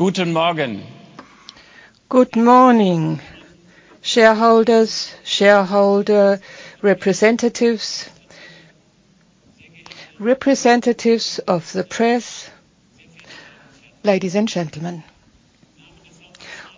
Good morning. Good morning, shareholders, shareholder representatives of the press, ladies and gentlemen.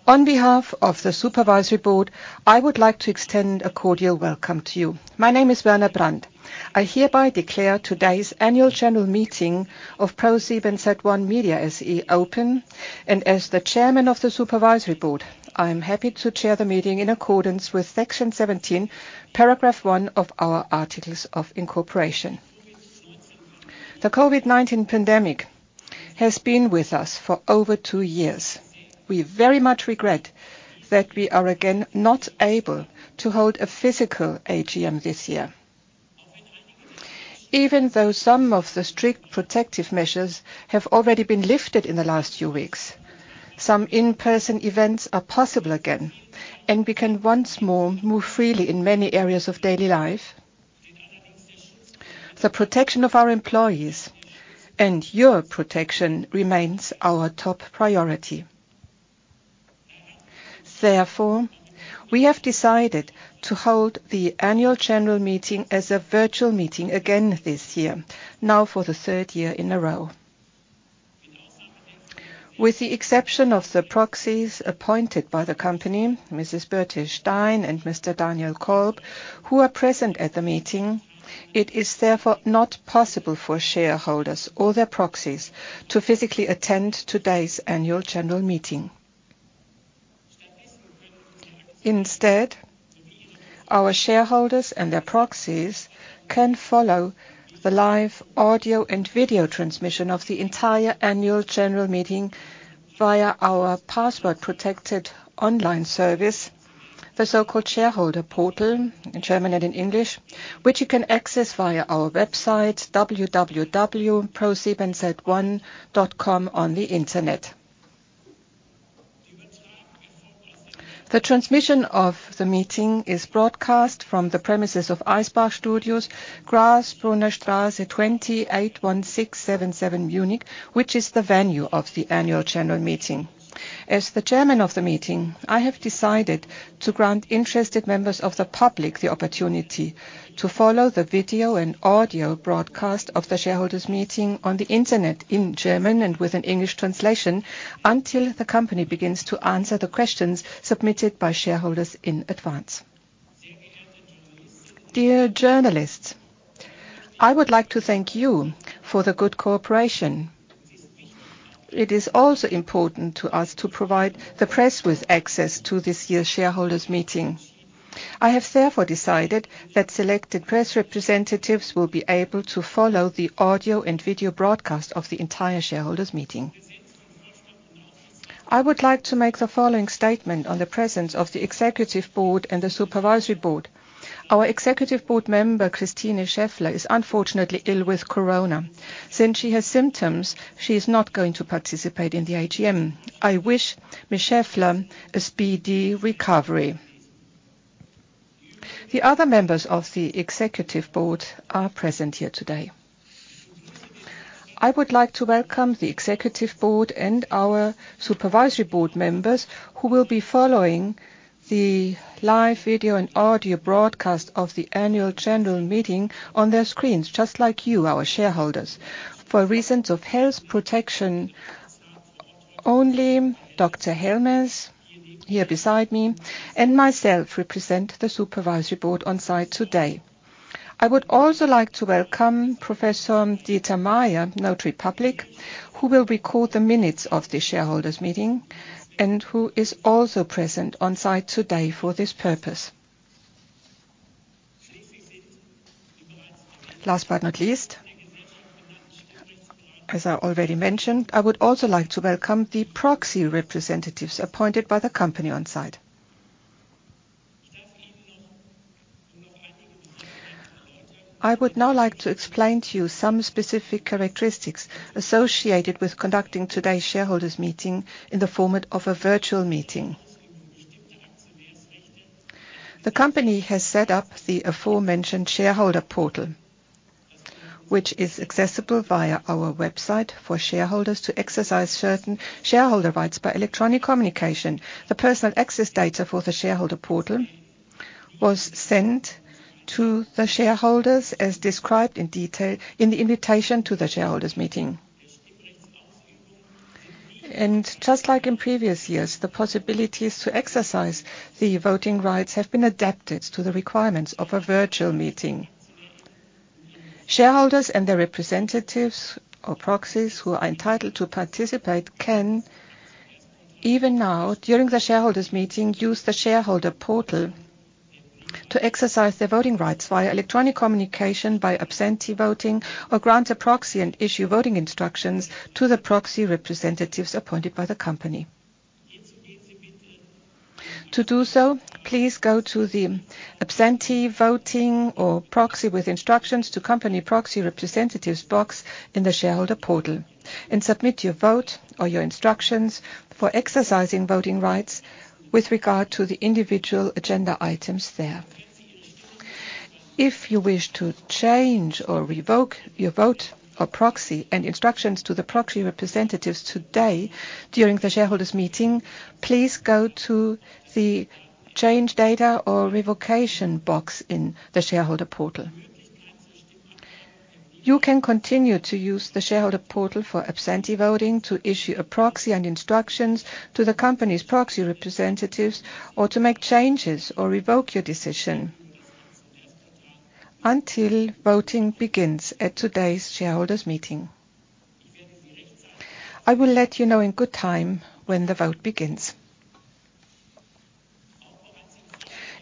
On behalf of the supervisory board, I would like to extend a cordial welcome to you. My name is Werner Brandt. I hereby declare today's Annual General Meeting of ProSiebenSat.1 Media SE open, and as the Chairman of the supervisory board, I am happy to chair the meeting in accordance with section 17, paragraph one of our articles of incorporation. The COVID-19 pandemic has been with us for over two years. We very much regret that we are again not able to hold a physical AGM this year. Even though some of the strict protective measures have already been lifted in the last few weeks, some in-person events are possible again, and we can once more move freely in many areas of daily life. The protection of our employees and your protection remains our top priority. Therefore, we have decided to hold the annual general meeting as a virtual meeting again this year, now for the third year in a row. With the exception of the proxies appointed by the company, Mrs. Birte Stein and Mr. Daniel Kolb, who are present at the meeting, it is therefore not possible for shareholders or their proxies to physically attend today's annual general meeting. Instead, our shareholders and their proxies can follow the live audio and video transmission of the entire annual general meeting via our password-protected online service, the so-called Shareholder Portal in German and in English, which you can access via our website, www.prosiebensat1.com on the internet. The transmission of the meeting is broadcast from the premises of Eisbach Studios, Grasbrunner Straße 20, 81677 Munich, which is the venue of the annual general meeting. As the chairman of the meeting, I have decided to grant interested members of the public the opportunity to follow the video and audio broadcast of the shareholders meeting on the internet in German and with an English translation until the company begins to answer the questions submitted by shareholders in advance. Dear journalists, I would like to thank you for the good cooperation. It is also important to us to provide the press with access to this year's shareholders meeting. I have therefore decided that selected press representatives will be able to follow the audio and video broadcast of the entire shareholders meeting. I would like to make the following statement on the presence of the executive board and the supervisory board. Our executive board member, Christine Scheffler, is unfortunately ill with corona. Since she has symptoms, she is not going to participate in the AGM. I wish Miss Scheffler a speedy recovery. The other members of the executive board are present here today. I would like to welcome the executive board and our supervisory board members who will be following the live video and audio broadcast of the annual general meeting on their screens, just like you, our shareholders. For reasons of health protection only Dr. Helmes here beside me and myself represent the supervisory board on site today. I would also like to welcome Professor Dieter Mayer, notary public, who will record the minutes of the shareholders' meeting and who is also present on site today for this purpose. Last but not least, as I already mentioned, I would also like to welcome the proxy representatives appointed by the company on site. I would now like to explain to you some specific characteristics associated with conducting today's shareholders meeting in the format of a virtual meeting. The company has set up the aforementioned Shareholder Portal, which is accessible via our website for shareholders to exercise certain shareholder rights by electronic communication. The personal access data for the Shareholder Portal was sent to the shareholders as described in detail in the invitation to the shareholders meeting. Just like in previous years, the possibilities to exercise the voting rights have been adapted to the requirements of a virtual meeting. Shareholders and their representatives or proxies who are entitled to participate can, even now during the shareholders meeting, use the Shareholder Portal to exercise their voting rights via electronic communication by absentee voting or grant a proxy and issue voting instructions to the proxy representatives appointed by the company. To do so, please go to the Absentee Voting or Proxy with Instructions to Company Proxy Representatives box in the Shareholder Portal and submit your vote or your instructions for exercising voting rights with regard to the individual agenda items there. If you wish to change or revoke your vote or proxy and instructions to the proxy representatives today during the shareholders' meeting, please go to the Change Data or Revocation box in the Shareholder Portal. You can continue to use the Shareholder Portal for absentee voting to issue a proxy and instructions to the company's proxy representatives or to make changes or revoke your decision until voting begins at today's shareholders' meeting. I will let you know in good time when the vote begins.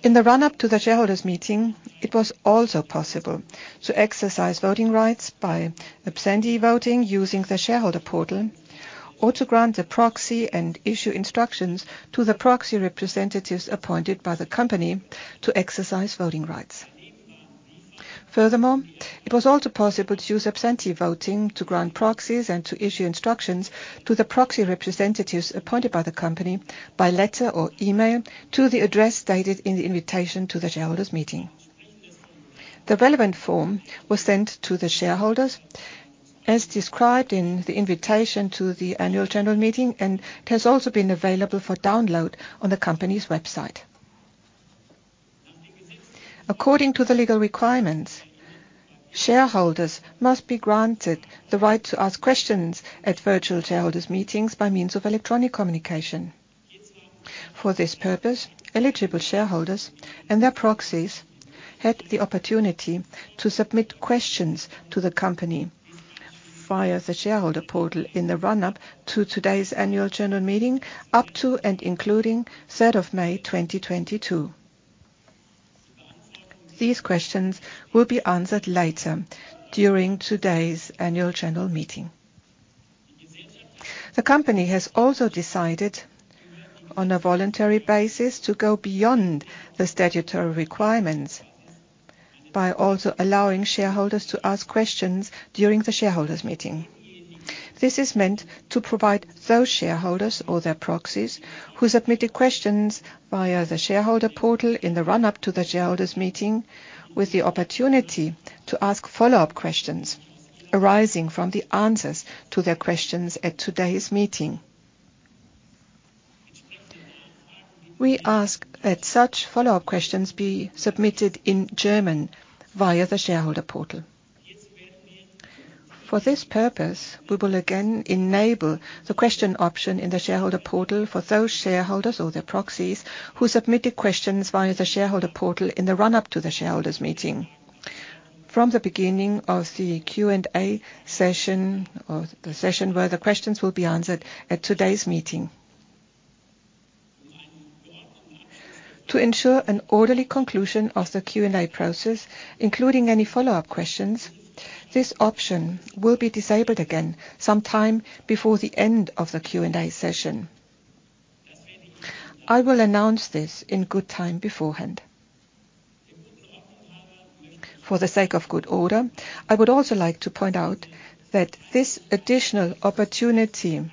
In the run-up to the shareholders' meeting, it was also possible to exercise voting rights by absentee voting using the Shareholder Portal or to grant a proxy and issue instructions to the proxy representatives appointed by the company to exercise voting rights. Furthermore, it was also possible to use absentee voting to grant proxies and to issue instructions to the proxy representatives appointed by the company by letter or email to the address stated in the invitation to the shareholders' meeting. The relevant form was sent to the shareholders as described in the invitation to the Annual General Meeting, and it has also been available for download on the company's website. According to the legal requirements, shareholders must be granted the right to ask questions at virtual shareholders meetings by means of electronic communication. For this purpose, eligible shareholders and their proxies had the opportunity to submit questions to the company via the shareholder portal in the run-up to today's annual general meeting up to and including 3rd of May 2022. These questions will be answered later during today's annual general meeting. The company has also decided on a voluntary basis to go beyond the statutory requirements by also allowing shareholders to ask questions during the shareholders' meeting. This is meant to provide those shareholders or their proxies who submitted questions via the shareholder portal in the run-up to the shareholders' meeting with the opportunity to ask follow-up questions arising from the answers to their questions at today's meeting. We ask that such follow-up questions be submitted in German via the shareholder portal. For this purpose, we will again enable the question option in the shareholder portal for those shareholders or their proxies who submitted questions via the shareholder portal in the run-up to the shareholders' meeting from the beginning of the Q&A session or the session where the questions will be answered at today's meeting. To ensure an orderly conclusion of the Q&A process, including any follow-up questions, this option will be disabled again some time before the end of the Q&A session. I will announce this in good time beforehand. For the sake of good order, I would also like to point out that this additional opportunity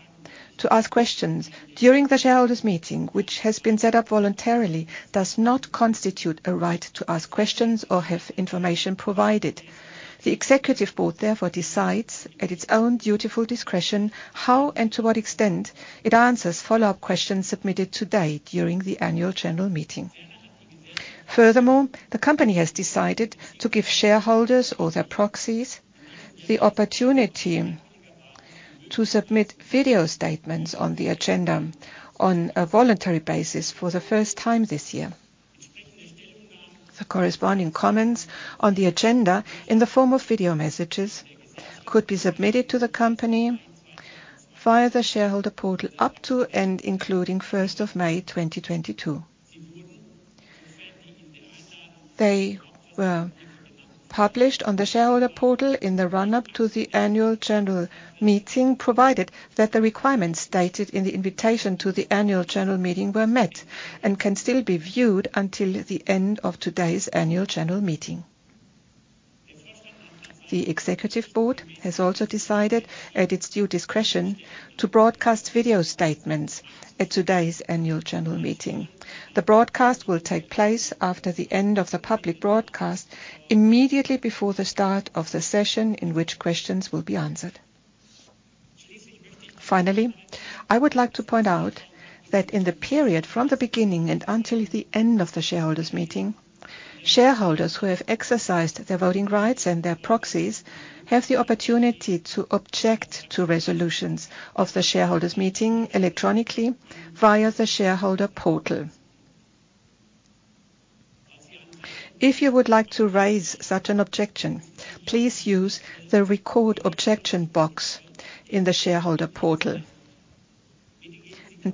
to ask questions during the shareholders' meeting, which has been set up voluntarily, does not constitute a right to ask questions or have information provided. The Executive Board, therefore, decides at its own due discretion how and to what extent it answers follow-up questions submitted today during the Annual General Meeting. Furthermore, the company has decided to give shareholders or their proxies the opportunity to submit video statements on the agenda on a voluntary basis for the first time this year. The corresponding comments on the agenda in the form of video messages could be submitted to the company via the Shareholder Portal up to and including 1st of May 2022. They were published on the Shareholder Portal in the run-up to the Annual General Meeting, provided that the requirements stated in the invitation to the Annual General Meeting were met and can still be viewed until the end of today's Annual General Meeting. The Executive Board has also decided at its due discretion to broadcast video statements at today's Annual General Meeting. The broadcast will take place after the end of the public broadcast, immediately before the start of the session in which questions will be answered. Finally, I would like to point out that in the period from the beginning and until the end of the shareholders' meeting, shareholders who have exercised their voting rights and their proxies have the opportunity to object to resolutions of the shareholders' meeting electronically via the Shareholder Portal. If you would like to raise such an objection, please use the Record Objection box in the Shareholder Portal.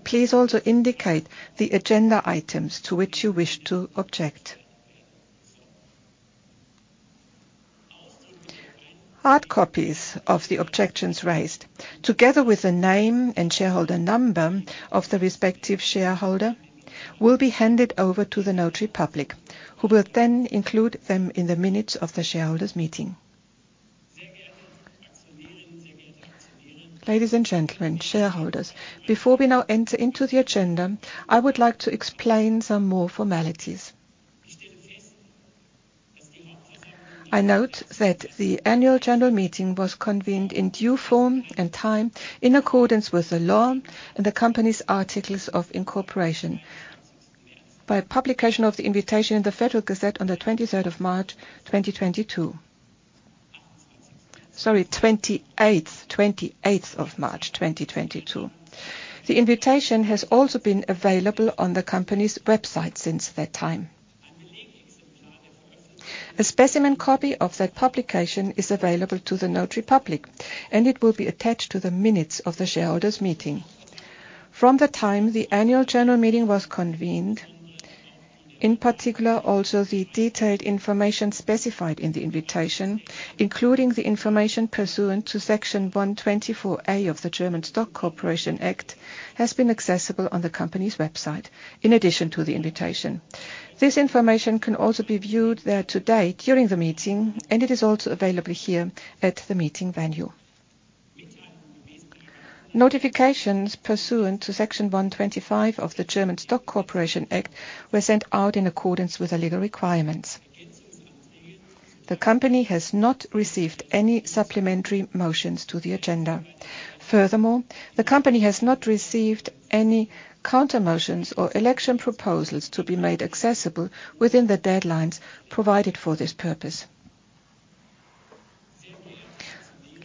Please also indicate the agenda items to which you wish to object. Hard copies of the objections raised, together with the name and shareholder number of the respective shareholder, will be handed over to the notary public, who will then include them in the minutes of the shareholders' meeting. Ladies and gentlemen, shareholders, before we now enter into the agenda, I would like to explain some more formalities. I note that the annual general meeting was convened in due form and time in accordance with the law and the company's articles of incorporation by publication of the invitation in the Federal Gazette on the 28th of March, 2022. The invitation has also been available on the company's website since that time. A specimen copy of that publication is available to the notary public, and it will be attached to the minutes of the shareholders' meeting. From the time the annual general meeting was convened, in particular also the detailed information specified in the invitation, including the information pursuant to Section 124a of the German Stock Corporation Act, has been accessible on the company's website in addition to the invitation. This information can also be viewed there today during the meeting, and it is also available here at the meeting venue. Notifications pursuant to Section 125 of the German Stock Corporation Act were sent out in accordance with the legal requirements. The company has not received any supplementary motions to the agenda. Furthermore, the company has not received any countermotions or election proposals to be made accessible within the deadlines provided for this purpose.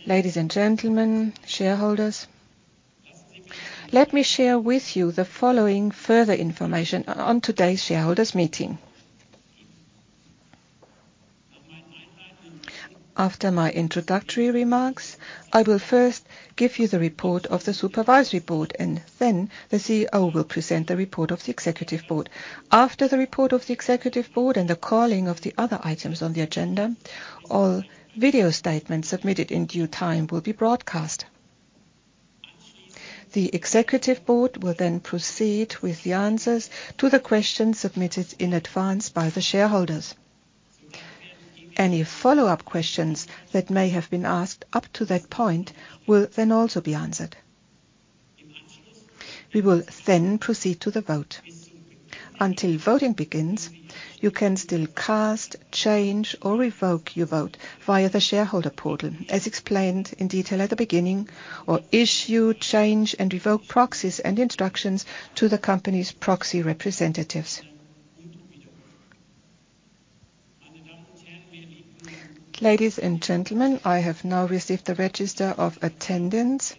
Ladies and gentlemen, shareholders, let me share with you the following further information on today's shareholders' meeting. After my introductory remarks, I will first give you the report of the supervisory board, and then the CEO will present the report of the Executive Board. After the report of the Executive Board and the calling of the other items on the agenda, all video statements submitted in due time will be broadcast. The Executive Board will then proceed with the answers to the questions submitted in advance by the shareholders. Any follow-up questions that may have been asked up to that point will then also be answered. We will then proceed to the vote. Until voting begins, you can still cast, change, or revoke your vote via the Shareholder Portal as explained in detail at the beginning or issue change and revoke proxies and instructions to the company's proxy representatives. Ladies and gentlemen, I have now received the register of attendance.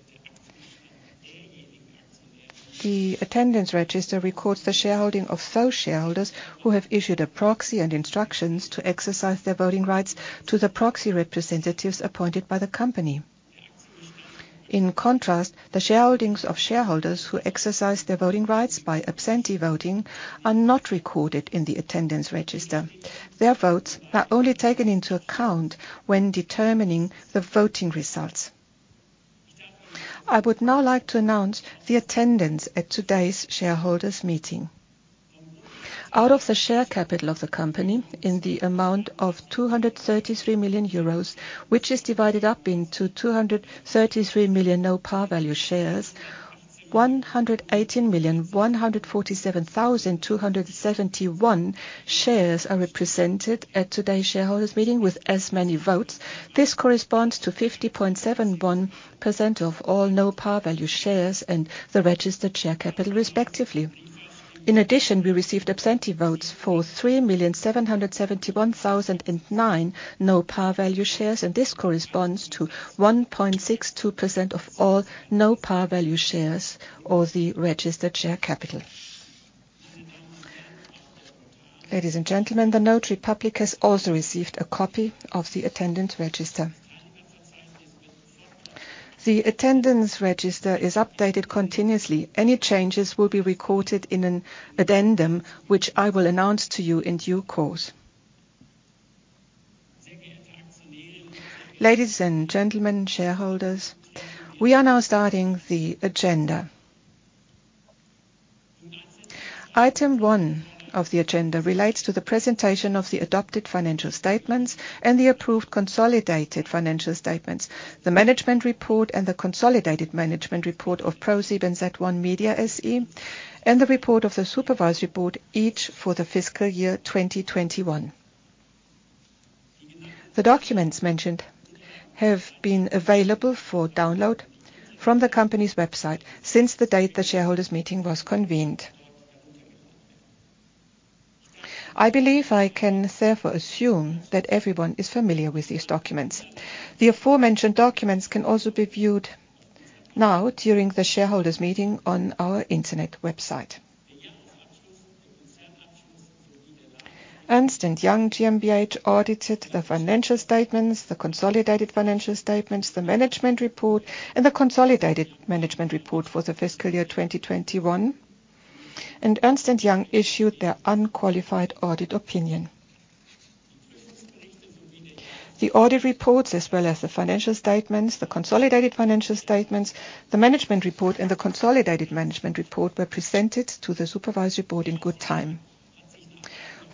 The attendance register records the shareholding of those shareholders who have issued a proxy and instructions to exercise their voting rights to the proxy representatives appointed by the company. In contrast, the shareholdings of shareholders who exercise their voting rights by absentee voting are not recorded in the attendance register. Their votes are only taken into account when determining the voting results. I would now like to announce the attendance at today's shareholders' meeting. Out of the share capital of the company in the amount of 233 million euros, which is divided up into 233 million no par value shares, 118,147,271 shares are represented at today's shareholders' meeting with as many votes. This corresponds to 50.71% of all no par value shares and the registered share capital respectively. In addition, we received absentee votes for 3,771,009 no par value shares, and this corresponds to 1.62% of all no par value shares or the registered share capital. Ladies and gentlemen, the notary public has also received a copy of the attendance register. The attendance register is updated continuously. Any changes will be recorded in an addendum which I will announce to you in due course. Ladies and gentlemen, shareholders, we are now starting the agenda. Item one of the agenda relates to the presentation of the adopted financial statements and the approved consolidated financial statements, the management report and the consolidated management report of ProSiebenSat.1 Media SE, and the report of the supervisory board, each for the fiscal year 2021. The documents mentioned have been available for download from the company's website since the date the shareholders' meeting was convened. I believe I can therefore assume that everyone is familiar with these documents. The aforementioned documents can also be viewed now during the shareholders' meeting on our internet website. Ernst & Young GmbH audited the financial statements, the consolidated financial statements, the management report, and the consolidated management report for the fiscal year 2021, and Ernst & Young issued their unqualified audit opinion. The audit reports as well as the financial statements, the consolidated financial statements, the management report, and the consolidated management report were presented to the Supervisory Board in good time.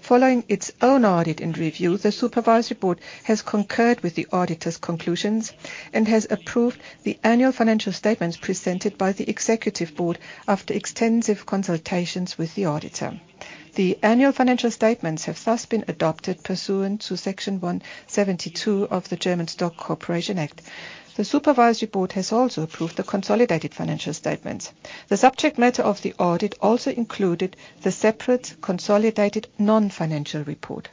Following its own audit and review, the Supervisory Board has concurred with the auditor's conclusions and has approved the annual financial statements presented by the Executive Board after extensive consultations with the auditor. The annual financial statements have thus been adopted pursuant to Section 172 of the German Stock Corporation Act. The Supervisory Board has also approved the consolidated financial statements. The subject matter of the audit also included the separate consolidated non-financial report.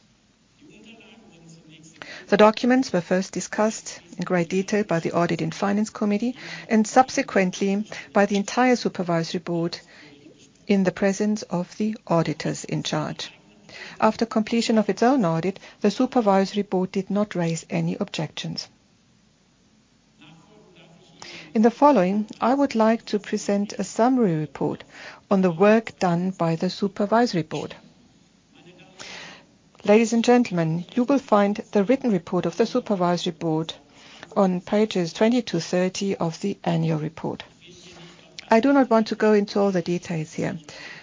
The documents were first discussed in great detail by the Audit and Finance Committee and subsequently by the entire Supervisory Board in the presence of the auditors in charge. After completion of its own audit, the Supervisory Board did not raise any objections. In the following, I would like to present a summary report on the work done by the Supervisory Board. Ladies and gentlemen, you will find the written report of the Supervisory Board on pages 20-30 of the annual report. I do not want to go into all the details here,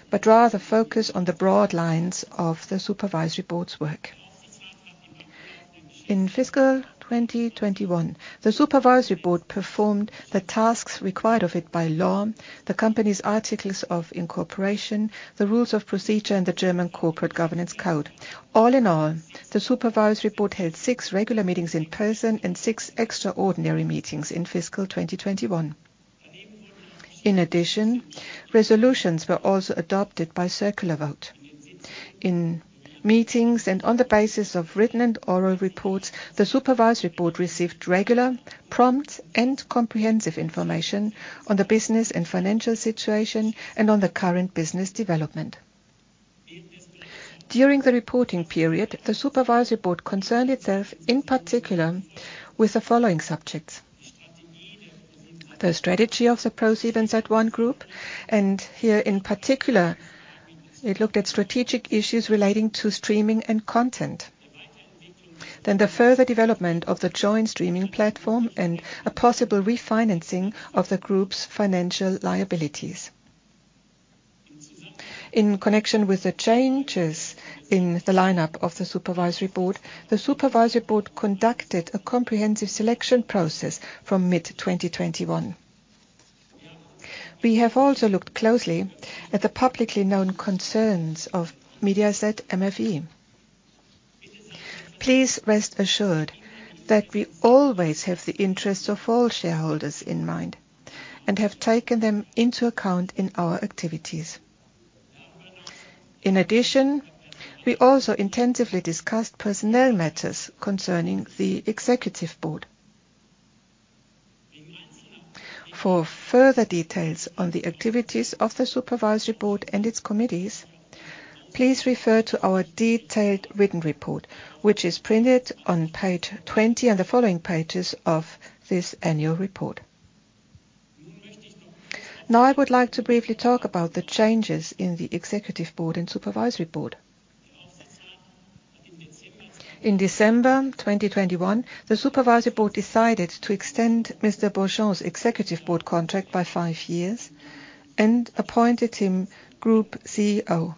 but rather focus on the broad lines of the Supervisory Board's work. In fiscal 2021, the Supervisory Board performed the tasks required of it by law, the company's articles of incorporation, the rules of procedure and the German Corporate Governance Code. All in all, the Supervisory Board held six regular meetings in person and six extraordinary meetings in fiscal 2021. In addition, resolutions were also adopted by circular vote. In meetings and on the basis of written and oral reports, the Supervisory Board received regular, prompt, and comprehensive information on the business and financial situation and on the current business development. During the reporting period, the Supervisory Board concerned itself, in particular, with the following subjects. The strategy of the ProSiebenSat.1 Group, and here in particular, it looked at strategic issues relating to streaming and content. The further development of the joint streaming platform and a possible refinancing of the group's financial liabilities. In connection with the changes in the lineup of the Supervisory Board, the Supervisory Board conducted a comprehensive selection process from mid-2021. We have also looked closely at the publicly known concerns of Mediaset MFE. Please rest assured that we always have the interests of all shareholders in mind and have taken them into account in our activities. In addition, we also intensively discussed personnel matters concerning the Executive Board. For further details on the activities of the Supervisory Board and its committees, please refer to our detailed written report, which is printed on page 20 and the following pages of this annual report. Now I would like to briefly talk about the changes in the Executive Board and Supervisory Board. In December 2021, the Supervisory Board decided to extend Mr. Beaujean's executive board contract by five years and appointed him Group CEO.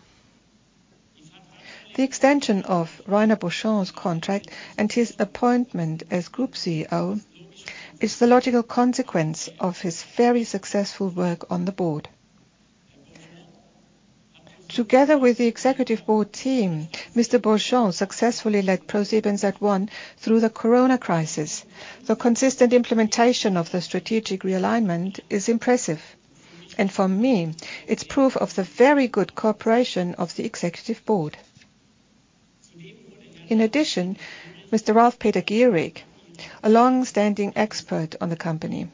The extension of Rainer Beaujean's contract and his appointment as Group CEO is the logical consequence of his very successful work on the board. Together with the Executive Board team, Mr. Beaujean successfully led ProSiebenSat.1 through the corona crisis. The consistent implementation of the strategic realignment is impressive, and for me, it's proof of the very good cooperation of the Executive Board. In addition, Mr. Ralf Peter Gierig, a long-standing expert on the company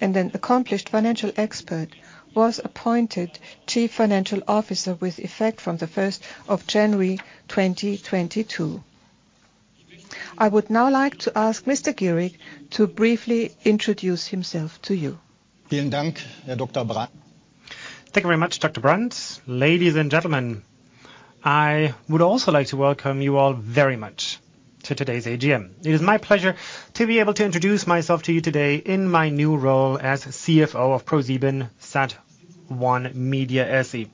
and an accomplished financial expert, was appointed Chief Financial Officer with effect from the 1st ofJanuary 2022. I would now like to ask Mr. Gierig to briefly introduce himself to you. Thank you very much, Dr. Brandt. Ladies and gentlemen, I would also like to welcome you all very much to today's AGM. It is my pleasure to be able to introduce myself to you today in my new role as CFO of ProSiebenSat.1 Media SE.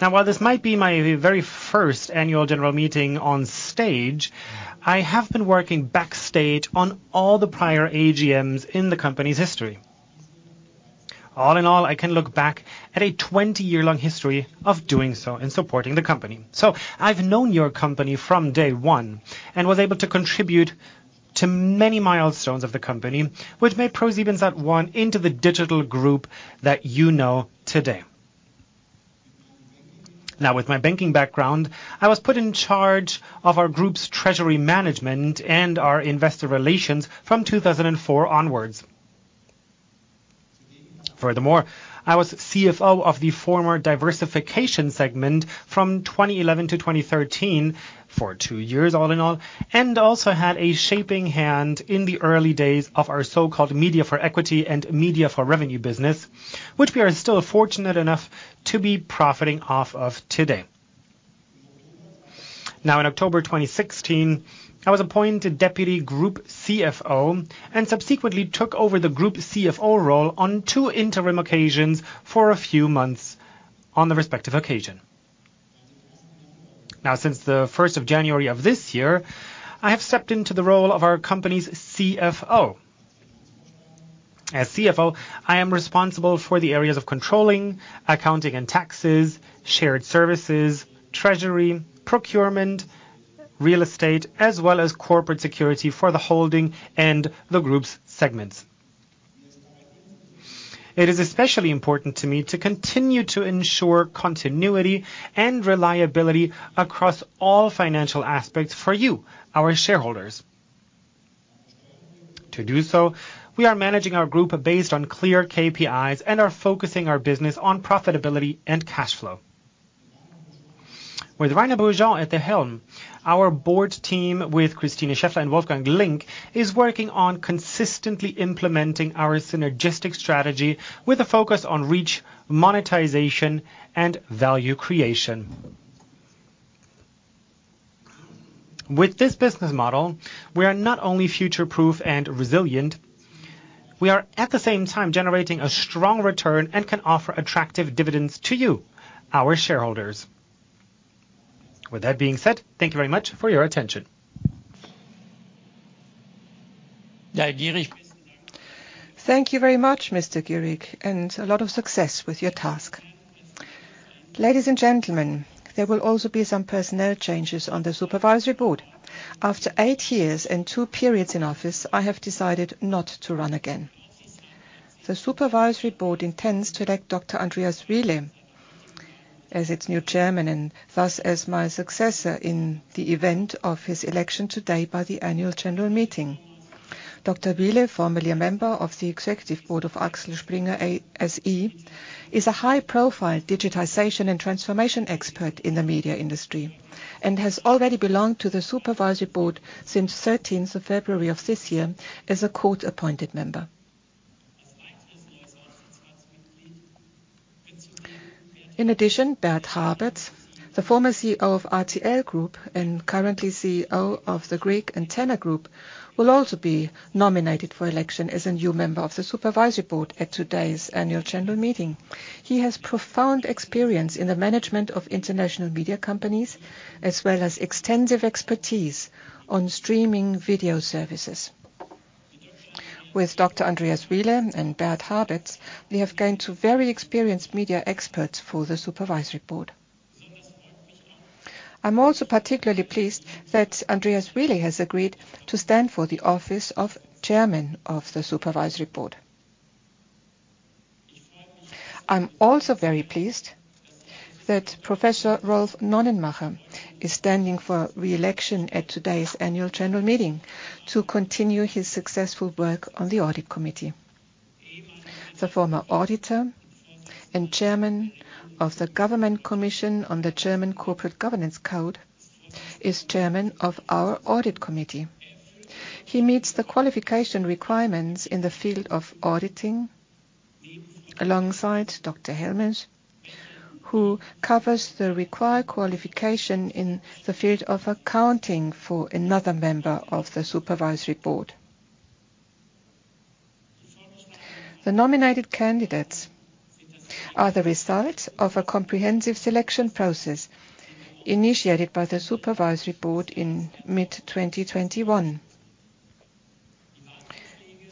Now, while this might be my very first annual general meeting on stage, I have been working backstage on all the prior AGMs in the company's history. All in all, I can look back at a 20-year-long history of doing so and supporting the company. I've known your company from day one and was able to contribute to many milestones of the company, which made ProSiebenSat.1 into the digital group that you know today. Now, with my banking background, I was put in charge of our group's treasury management and our investor relations from 2004 onwards. Furthermore, I was CFO of the former diversification segment from 2011 to 2013 for two years all in all, and also had a shaping hand in the early days of our so-called Media for Equity and Media for Revenue business, which we are still fortunate enough to be profiting off of today. Now in October 2016, I was appointed Deputy Group CFO, and subsequently took over the Group CFO role on two interim occasions for a few months on the respective occasion. Now, since the 1st of January of this year, I have stepped into the role of our company's CFO. As CFO, I am responsible for the areas of controlling, accounting and taxes, shared services, treasury, procurement, real estate, as well as corporate security for the holding and the group's segments. It is especially important to me to continue to ensure continuity and reliability across all financial aspects for you, our shareholders. To do so, we are managing our group based on clear KPIs and are focusing our business on profitability and cash flow. With Rainer Beaujean at the helm, our board team with Christine Scheffler and Wolfgang Link is working on consistently implementing our synergistic strategy with a focus on reach, monetization, and value creation. With this business model, we are not only future-proof and resilient, we are at the same time generating a strong return and can offer attractive dividends to you, our shareholders. With that being said, thank you very much for your attention. Thank you very much, Mr. Gierig, and a lot of success with your task. Ladies and gentlemen, there will also be some personnel changes on the Supervisory Board. After eight years and two periods in office, I have decided not to run again. The Supervisory Board intends to elect Dr. Andreas Wiele as its new chairman, and thus as my successor in the event of his election today by the Annual General Meeting. Dr. Wiele, formerly a member of the executive board of Axel Springer SE, is a high-profile digitization and transformation expert in the media industry, and has already belonged to the Supervisory Board since 13th of February of this year as a court-appointed member. In addition, Bert Habets, the former CEO of RTL Group and currently CEO of the Greek Antenna Group, will also be nominated for election as a new member of the Supervisory Board at today's annual general meeting. He has profound experience in the management of international media companies, as well as extensive expertise on streaming video services. With Dr. Andreas Wiele and Bert Habets, we have gained two very experienced media experts for the Supervisory Board. I'm also particularly pleased that Andreas Wiele has agreed to stand for the office of Chairman of the Supervisory Board. I'm also very pleased that Professor Rolf Nonnenmacher is standing for re-election at today's annual general meeting to continue his successful work on the audit committee. The former auditor and chairman of the Governance Commission on the German Corporate Governance Code is chairman of our audit committee. He meets the qualification requirements in the field of auditing alongside Dr. Helmes, who covers the required qualification in the field of accounting for another member of the Supervisory Board. The nominated candidates are the result of a comprehensive selection process initiated by the Supervisory Board in mid-2021.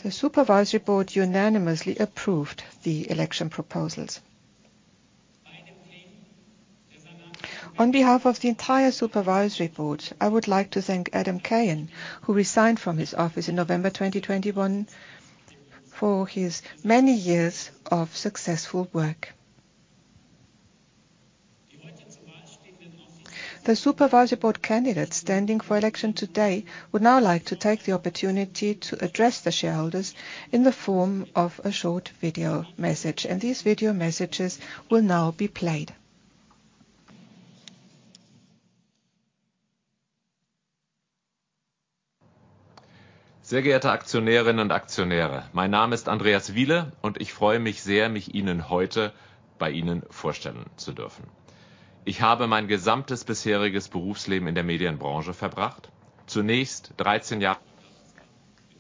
The Supervisory Board unanimously approved the election proposals. On behalf of the entire Supervisory Board, I would like to thank Adam Cahan, who resigned from his office in November 2021, for his many years of successful work. The Supervisory Board candidates standing for election today would now like to take the opportunity to address the shareholders in the form of a short video message, and these video messages will now be played.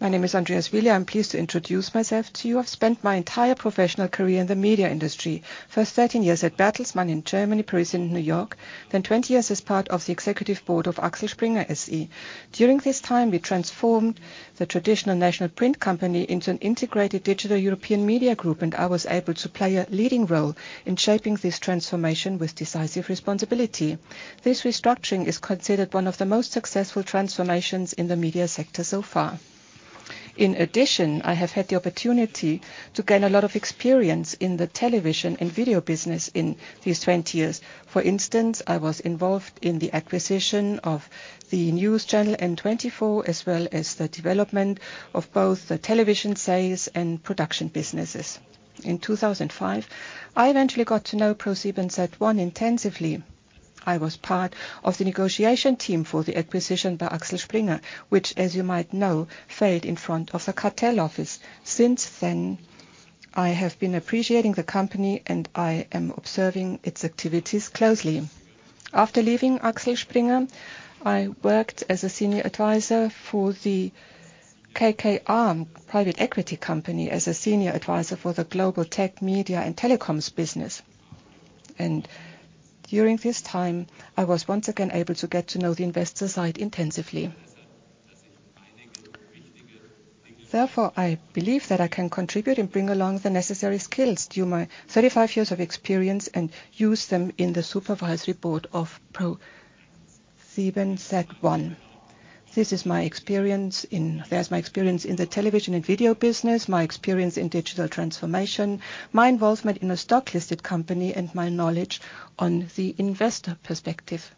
My name is Andreas Wiele. I'm pleased to introduce myself to you. I've spent my entire professional career in the media industry. First 13 years at Bertelsmann in Germany, Paris, and New York, then 20 years as part of the executive board of Axel Springer SE. During this time, we transformed the traditional national print company into an integrated digital European media group, and I was able to play a leading role in shaping this transformation with decisive responsibility. This restructuring is considered one of the most successful transformations in the media sector so far. In addition, I have had the opportunity to gain a lot of experience in the television and video business in these 20 years. For instance, I was involved in the acquisition of the news channel N24, as well as the development of both the television sales and production businesses. In 2005, I eventually got to know ProSiebenSat.1 intensively. I was part of the negotiation team for the acquisition by Axel Springer, which, as you might know, failed in front of the cartel office. Since then, I have been appreciating the company, and I am observing its activities closely. After leaving Axel Springer, I worked as a senior advisor for the KKR private equity company as a senior advisor for the global tech, media, and telecoms business. During this time, I was once again able to get to know the investor side intensively. Therefore, I believe that I can contribute and bring along the necessary skills through my 35 years of experience and use them in the Supervisory Board of ProSiebenSat.1. This is my experience in the television and video business, my experience in digital transformation, my involvement in a stock-listed company, and my knowledge on the investor perspective.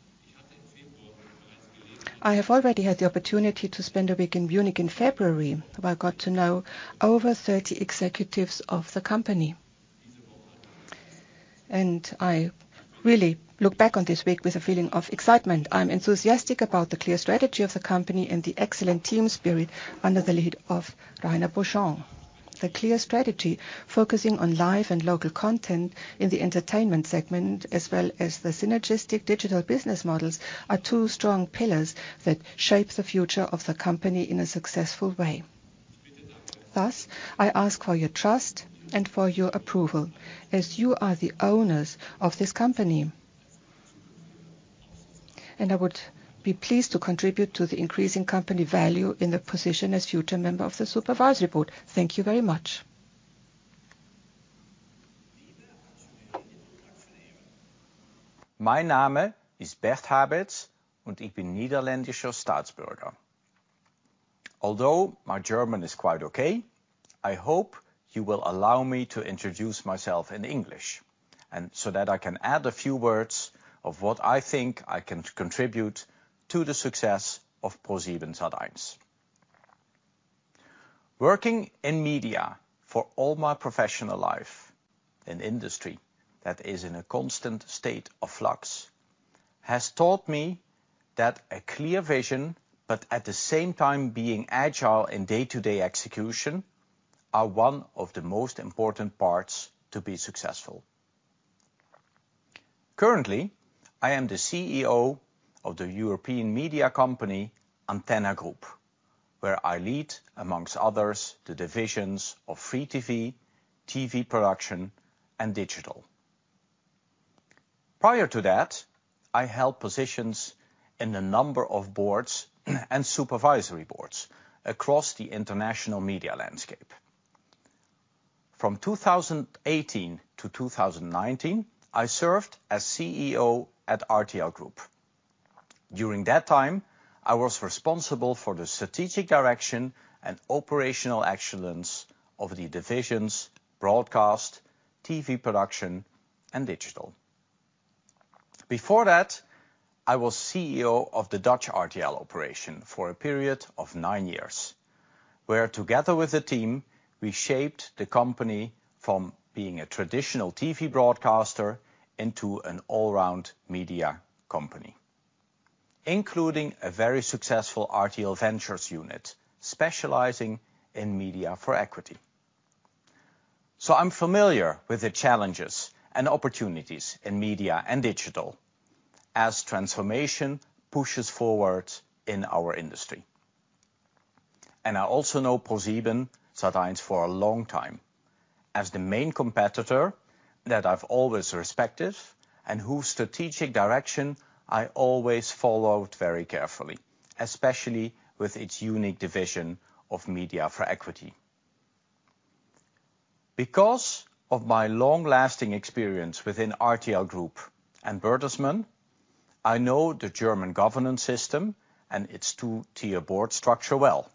I have already had the opportunity to spend a week in Munich in February, where I got to know over 30 executives of the company. I really look back on this week with a feeling of excitement. I'm enthusiastic about the clear strategy of the company and the excellent team spirit under the lead of Rainer Beaujean. The clear strategy, focusing on live and local content in the entertainment segment as well as the synergistic digital business models, are two strong pillars that shape the future of the company in a successful way. Thus, I ask for your trust and for your approval, as you are the owners of this company. I would be pleased to contribute to the increasing company value in the position as future member of the Supervisory Board. Thank you very much. My name is Bert Habets, and I'm a Dutch citizen. Although my German is quite okay, I hope you will allow me to introduce myself in English, and so that I can add a few words of what I think I can contribute to the success of ProSiebenSat.1. Working in media for all my professional life, an industry that is in a constant state of flux, has taught me that a clear vision, but at the same time being agile in day-to-day execution, are one of the most important parts to be successful. Currently, I am the CEO of the European media company Antenna Group, where I lead, amongst others, the divisions of free TV production, and digital. Prior to that, I held positions in a number of boards and supervisory boards across the international media landscape. From 2018 to 2019, I served as CEO at RTL Group. During that time, I was responsible for the strategic direction and operational excellence of the divisions Broadcast, TV Production, and Digital. Before that, I was CEO of the Dutch RTL operation for a period of nine years, where together with the team, we shaped the company from being a traditional TV broadcaster into an all-round media company, including a very successful RTL Ventures unit specializing in Media for Equity. I'm familiar with the challenges and opportunities in media and digital as transformation pushes forward in our industry. I also know ProSiebenSat.1 for a long time as the main competitor that I've always respected and whose strategic direction I always followed very carefully, especially with its unique division of Media for Equity. Because of my long-lasting experience within RTL Group and Bertelsmann, I know the German governance system and its two-tier board structure well,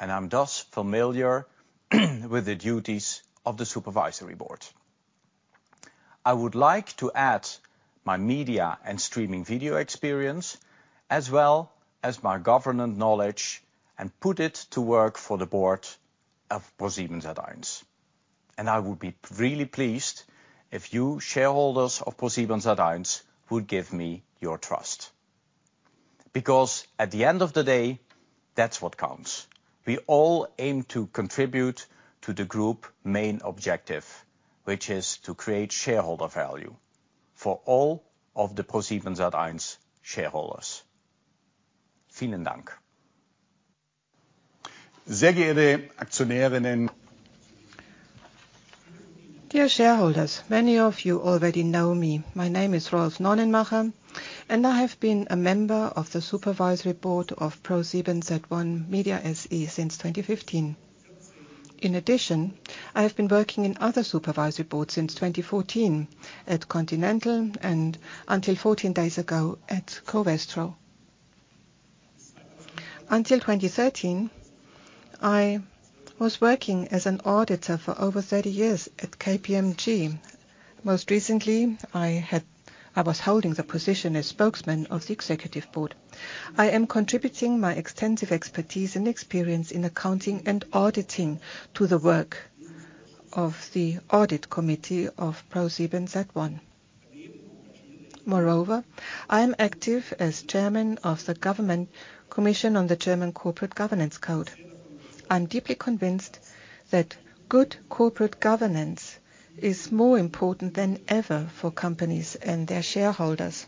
and I'm thus familiar with the duties of the supervisory board. I would like to add my media and streaming video experience, as well as my governance knowledge, and put it to work for the board of ProSiebenSat.1. I would be really pleased if you shareholders of ProSiebenSat.1 would give me your trust. Because at the end of the day, that's what counts. We all aim to contribute to the group main objective, which is to create shareholder value for all of the ProSiebenSat.1 shareholders. Vielen Dank. Dear shareholders, many of you already know me. My name is Rolf Nonnenmacher, and I have been a member of the Supervisory Board of ProSiebenSat.1 Media SE since 2015. In addition, I have been working in other supervisory boards since 2014 at Continental and until 14 days ago at Covestro. Until 2013, I was working as an auditor for over 30 years at KPMG. Most recently, I was holding the position as spokesman of the Executive Board. I am contributing my extensive expertise and experience in accounting and auditing to the work of the Audit Committee of ProSiebenSat.1. Moreover, I am active as Chairman of the Government Commission on the German Corporate Governance Code. I'm deeply convinced that good corporate governance is more important than ever for companies and their shareholders.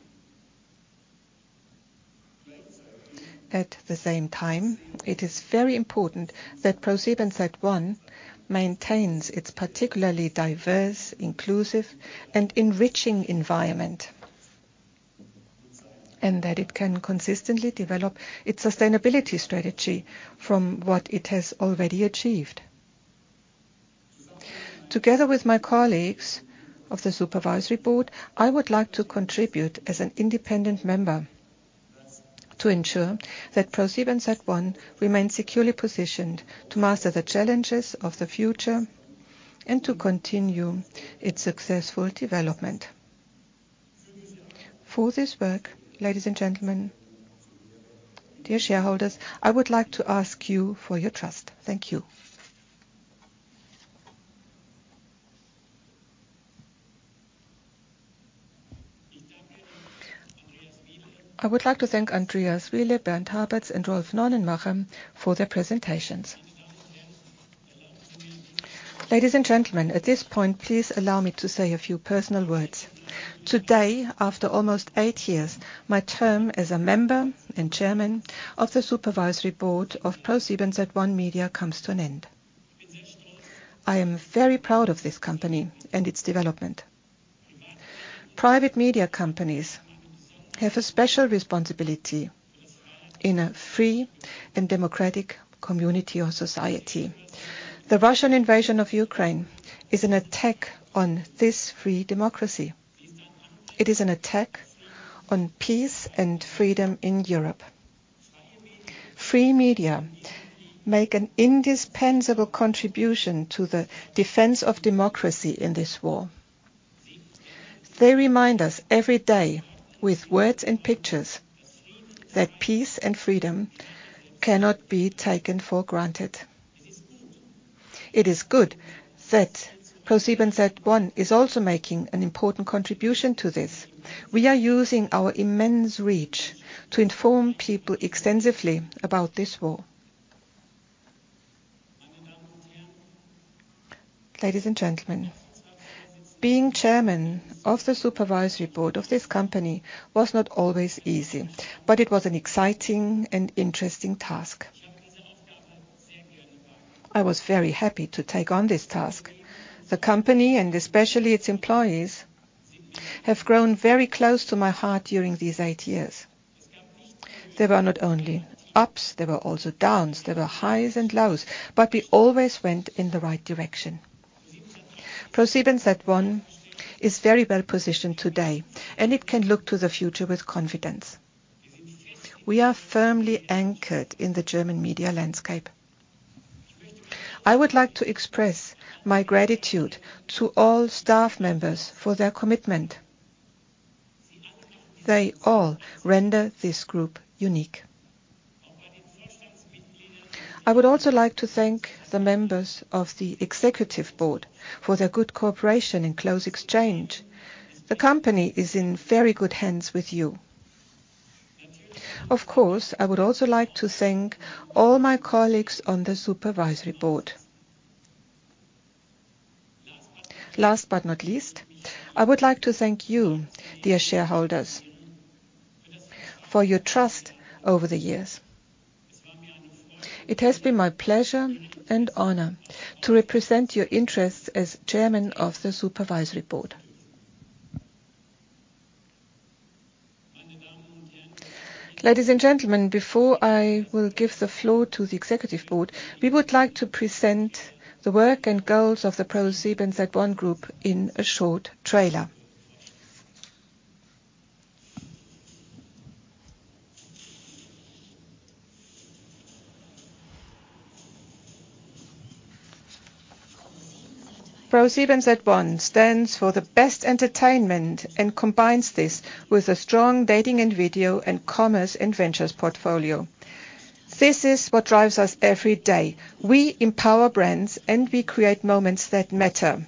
At the same time, it is very important that ProSiebenSat.1 maintains its particularly diverse, inclusive, and enriching environment, and that it can consistently develop its sustainability strategy from what it has already achieved. Together with my colleagues of the Supervisory Board, I would like to contribute as an independent member to ensure that ProSiebenSat.1 remains securely positioned to master the challenges of the future and to continue its successful development. For this work, ladies and gentlemen, dear shareholders, I would like to ask you for your trust. Thank you. I would like to thank Andreas Wiele, Bert Habets, and Rolf Nonnenmacher for their presentations. Ladies and gentlemen, at this point, please allow me to say a few personal words. Today, after almost eight years, my term as a member and Chairman of the Supervisory Board of ProSiebenSat.1 Media comes to an end. I am very proud of this company and its development. Private media companies have a special responsibility in a free and democratic community or society. The Russian invasion of Ukraine is an attack on this free democracy. It is an attack on peace and freedom in Europe. Free media make an indispensable contribution to the defense of democracy in this war. They remind us every day with words and pictures that peace and freedom cannot be taken for granted. It is good that ProSiebenSat.1 is also making an important contribution to this. We are using our immense reach to inform people extensively about this war. Ladies and gentlemen, being Chairman of the supervisory board of this company was not always easy, but it was an exciting and interesting task. I was very happy to take on this task. The company, and especially its employees, have grown very close to my heart during these eight years. There were not only ups, there were also downs, there were highs and lows, but we always went in the right direction. ProSiebenSat.1 is very well positioned today, and it can look to the future with confidence. We are firmly anchored in the German media landscape. I would like to express my gratitude to all staff members for their commitment. They all render this group unique. I would also like to thank the members of the executive board for their good cooperation and close exchange. The company is in very good hands with you. Of course, I would also like to thank all my colleagues on the supervisory board. Last but not least, I would like to thank you, dear shareholders, for your trust over the years. It has been my pleasure and honor to represent your interests as chairman of the supervisory board. Ladies and gentlemen, before I will give the floor to the executive board, we would like to present the work and goals of the ProSiebenSat.1 Group in a short trailer. ProSiebenSat.1 stands for the best entertainment and combines this with a strong dating and video and commerce and ventures portfolio. This is what drives us every day. We empower brands, and we create moments that matter.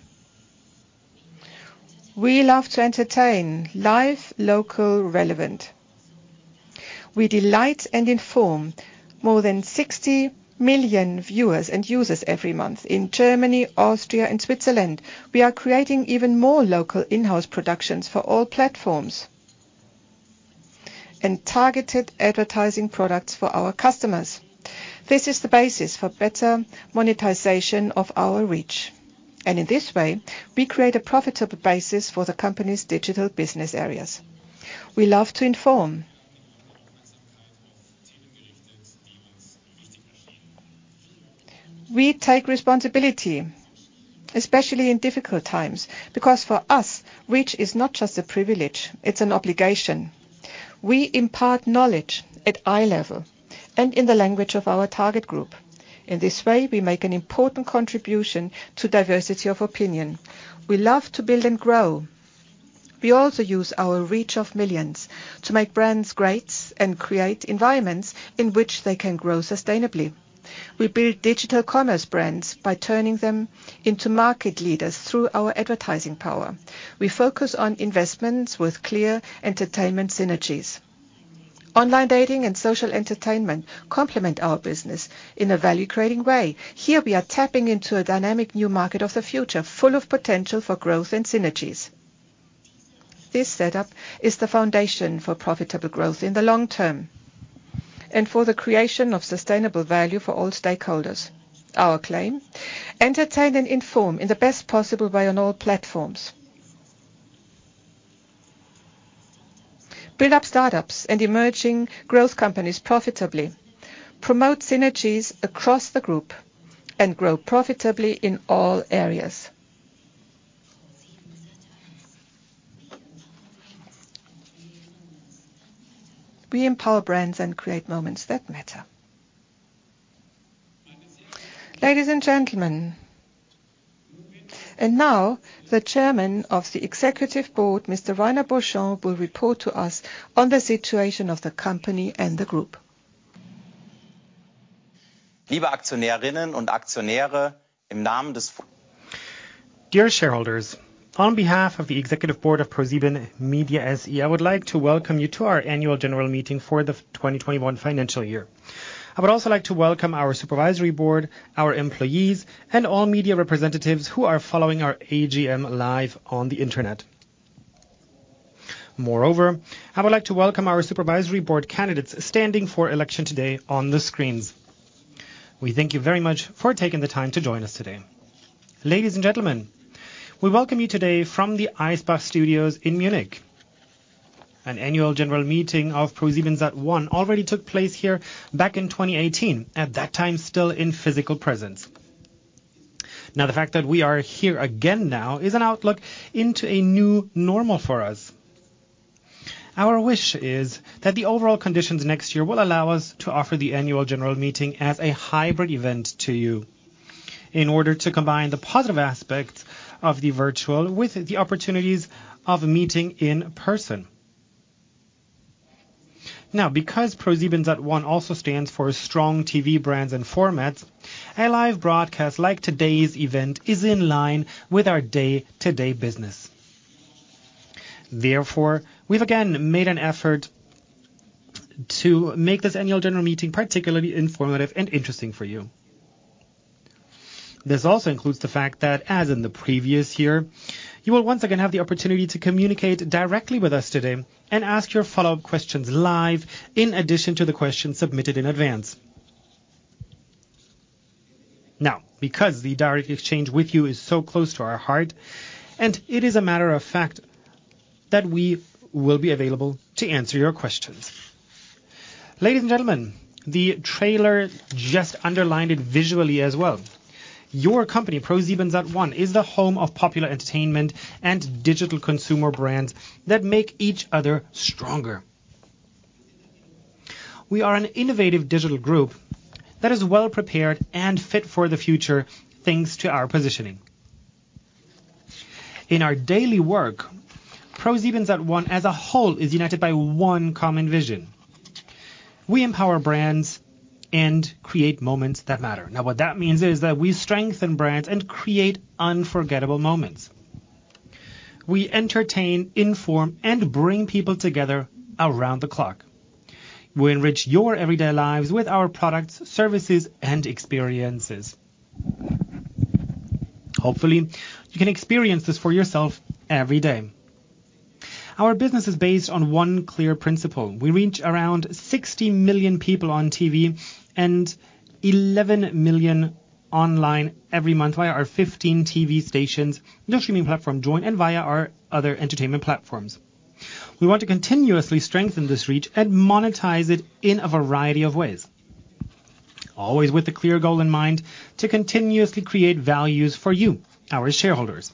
We love to entertain, live, local, relevant. We delight and inform more than 60 million viewers and users every month in Germany, Austria, and Switzerland. We are creating even more local in-house productions for all platforms and targeted advertising products for our customers. This is the basis for better monetization of our reach, and in this way, we create a profitable basis for the company's digital business areas. We love to inform. We take responsibility, especially in difficult times, because for us, reach is not just a privilege, it's an obligation. We impart knowledge at eye level and in the language of our target group. In this way, we make an important contribution to diversity of opinion. We love to build and grow. We also use our reach of millions to make brands great and create environments in which they can grow sustainably. We build digital commerce brands by turning them into market leaders through our advertising power. We focus on investments with clear entertainment synergies. Online dating and social entertainment complement our business in a value-creating way. Here we are tapping into a dynamic new market of the future, full of potential for growth and synergies. This setup is the foundation for profitable growth in the long term and for the creation of sustainable value for all stakeholders. Our claim: entertain and inform in the best possible way on all platforms. Build up startups and emerging growth companies profitably. Promote synergies across the group and grow profitably in all areas. We empower brands and create moments that matter. Ladies and gentlemen, now the Chairman of the Executive Board, Mr. Rainer Beaujean, will report to us on the situation of the company and the group. Dear shareholders, on behalf of the Executive Board of ProSiebenSat.1 Media SE, I would like to welcome you to our Annual General Meeting for the 2021 Financial Year. I would also like to welcome our Supervisory Board, our employees, and all media representatives who are following our AGM live on the Internet. Moreover, I would like to welcome our Supervisory Board candidates standing for election today on the screens. We thank you very much for taking the time to join us today. Ladies and gentlemen, we welcome you today from the Eisbach Studios in Munich. An annual general meeting of ProSiebenSat.1 already took place here back in 2018, at that time, still in physical presence. Now, the fact that we are here again now is an outlook into a new normal for us. Our wish is that the overall conditions next year will allow us to offer the annual general meeting as a hybrid event to you in order to combine the positive aspects of the virtual with the opportunities of meeting in person. Now, because ProSiebenSat.1 also stands for strong TV brands and formats, a live broadcast like today's event is in line with our day-to-day business. Therefore, we've again made an effort to make this annual general meeting particularly informative and interesting for you. This also includes the fact that, as in the previous year, you will once again have the opportunity to communicate directly with us today and ask your follow-up questions live in addition to the questions submitted in advance. Now, because the direct exchange with you is so close to our heart, and it is a matter of fact that we will be available to answer your questions. Ladies and gentlemen, the trailer just underlined it visually as well. Your company, ProSiebenSat.1, is the home of popular entertainment and digital consumer brands that make each other stronger. We are an innovative digital group that is well prepared and fit for the future, thanks to our positioning. In our daily work, ProSiebenSat.1 as a whole is united by one common vision. We empower brands and create moments that matter. Now, what that means is that we strengthen brands and create unforgettable moments. We entertain, inform, and bring people together around the clock. We enrich your everyday lives with our products, services, and experiences. Hopefully, you can experience this for yourself every day. Our business is based on one clear principle. We reach around 60 million people on TV and 11 million online every month via our 15 TV stations, the streaming platform Joyn, and via our other entertainment platforms. We want to continuously strengthen this reach and monetize it in a variety of ways, always with the clear goal in mind to continuously create values for you, our shareholders.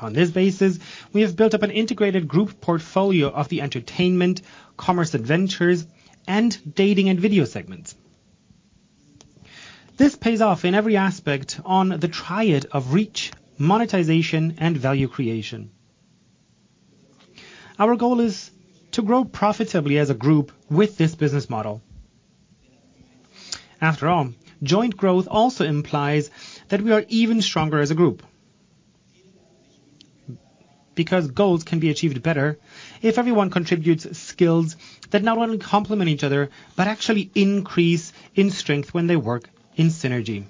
On this basis, we have built up an integrated group portfolio of the entertainment, commerce, advertising, and dating and video segments. This pays off in every aspect on the triad of reach, monetization, and value creation. Our goal is to grow profitably as a group with this business model. After all, joint growth also implies that we are even stronger as a group. Because goals can be achieved better if everyone contributes skills that not only complement each other, but actually increase in strength when they work in synergy.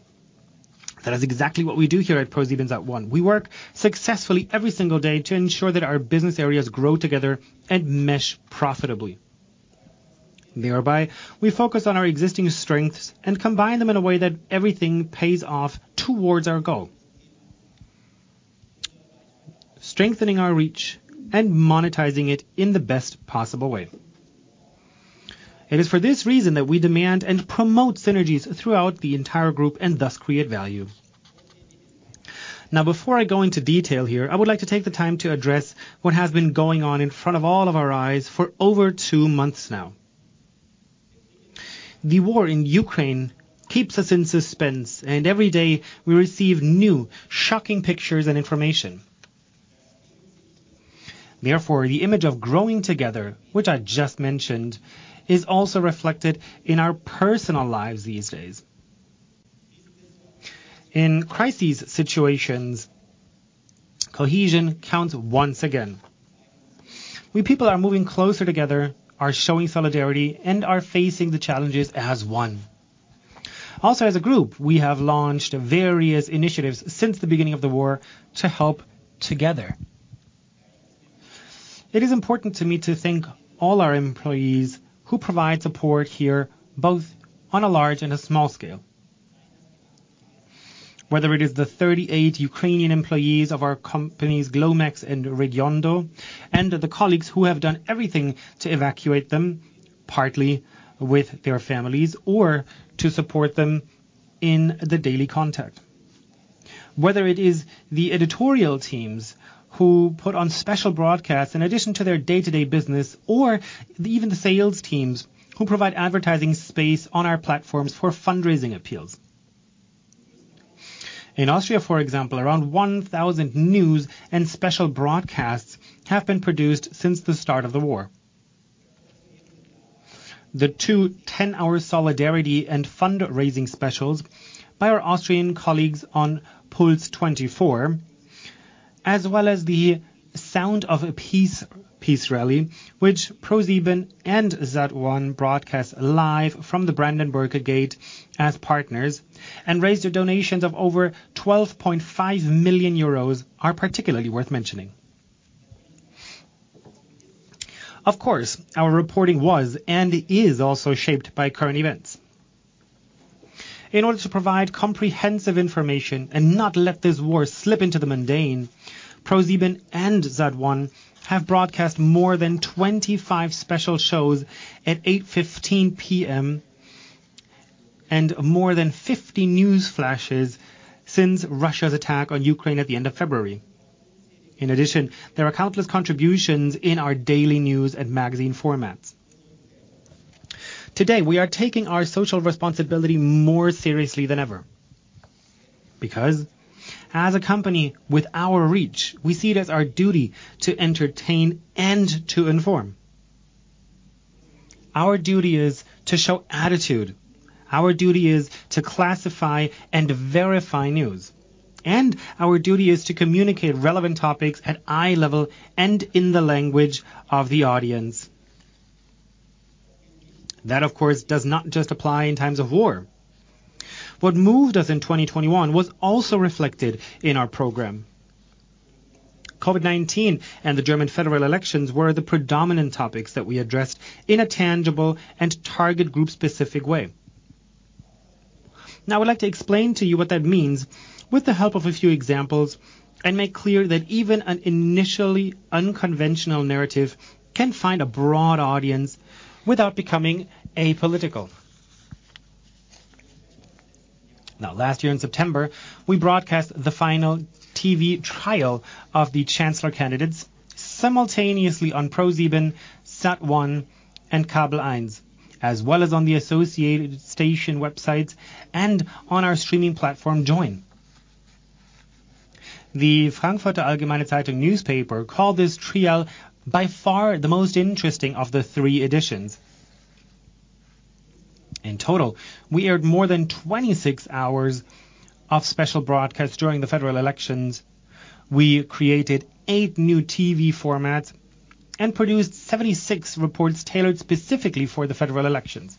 That is exactly what we do here at ProSiebenSat.1. We work successfully every single day to ensure that our business areas grow together and mesh profitably. Thereby, we focus on our existing strengths and combine them in a way that everything pays off towards our goal. Strengthening our reach and monetizing it in the best possible way. It is for this reason that we demand and promote synergies throughout the entire group and thus create value. Now, before I go into detail here, I would like to take the time to address what has been going on in front of all of our eyes for over two months now. The war in Ukraine keeps us in suspense, and every day we receive new shocking pictures and information. Therefore, the image of growing together, which I just mentioned, is also reflected in our personal lives these days. In crisis situations, cohesion counts once again. We people are moving closer together, are showing solidarity, and are facing the challenges as one. Also, as a group, we have launched various initiatives since the beginning of the war to help together. It is important to me to thank all our employees who provide support here, both on a large and a small scale. Whether it is the 38 Ukrainian employees of our companies, Glomex and Red Arrow, and the colleagues who have done everything to evacuate them, partly with their families, or to support them in the daily contact. Whether it is the editorial teams who put on special broadcasts in addition to their day-to-day business, or even the sales teams who provide advertising space on our platforms for fundraising appeals. In Austria, for example, around 1,000 news and special broadcasts have been produced since the start of the war. The two 10-hour solidarity and fundraising specials by our Austrian colleagues on PULS 24, as well as the Sound of Peace rally, which ProSieben and Sat.1 broadcast live from the Brandenburg Gate as partners and raised donations of over 12.5 million euros are particularly worth mentioning. Of course, our reporting was and is also shaped by current events. In order to provide comprehensive information and not let this war slip into the mundane, ProSieben and Sat.1 have broadcast more than 25 special shows at 8:15 P.M., and more than 50 news flashes since Russia's attack on Ukraine at the end of February. In addition, there are countless contributions in our daily news and magazine formats. Today, we are taking our social responsibility more seriously than ever. Because as a company with our reach, we see it as our duty to entertain and to inform. Our duty is to show attitude. Our duty is to classify and verify news, and our duty is to communicate relevant topics at eye level and in the language of the audience. That, of course, does not just apply in times of war. What moved us in 2021 was also reflected in our program. COVID-19 and the German federal elections were the predominant topics that we addressed in a tangible and target group specific way. Now, I would like to explain to you what that means with the help of a few examples, and make clear that even an initially unconventional narrative can find a broad audience without becoming apolitical. Now, last year in September, we broadcast the final TV trial of the chancellor candidates simultaneously on ProSieben, Sat.1, and Kabel Eins, as well as on the associated station websites and on our streaming platform, Joyn. The Frankfurter Allgemeine Zeitung newspaper called this trial by far the most interesting of the three editions. In total, we aired more than 26 hours of special broadcasts during the federal elections. We created eight new TV formats and produced 76 reports tailored specifically for the federal elections.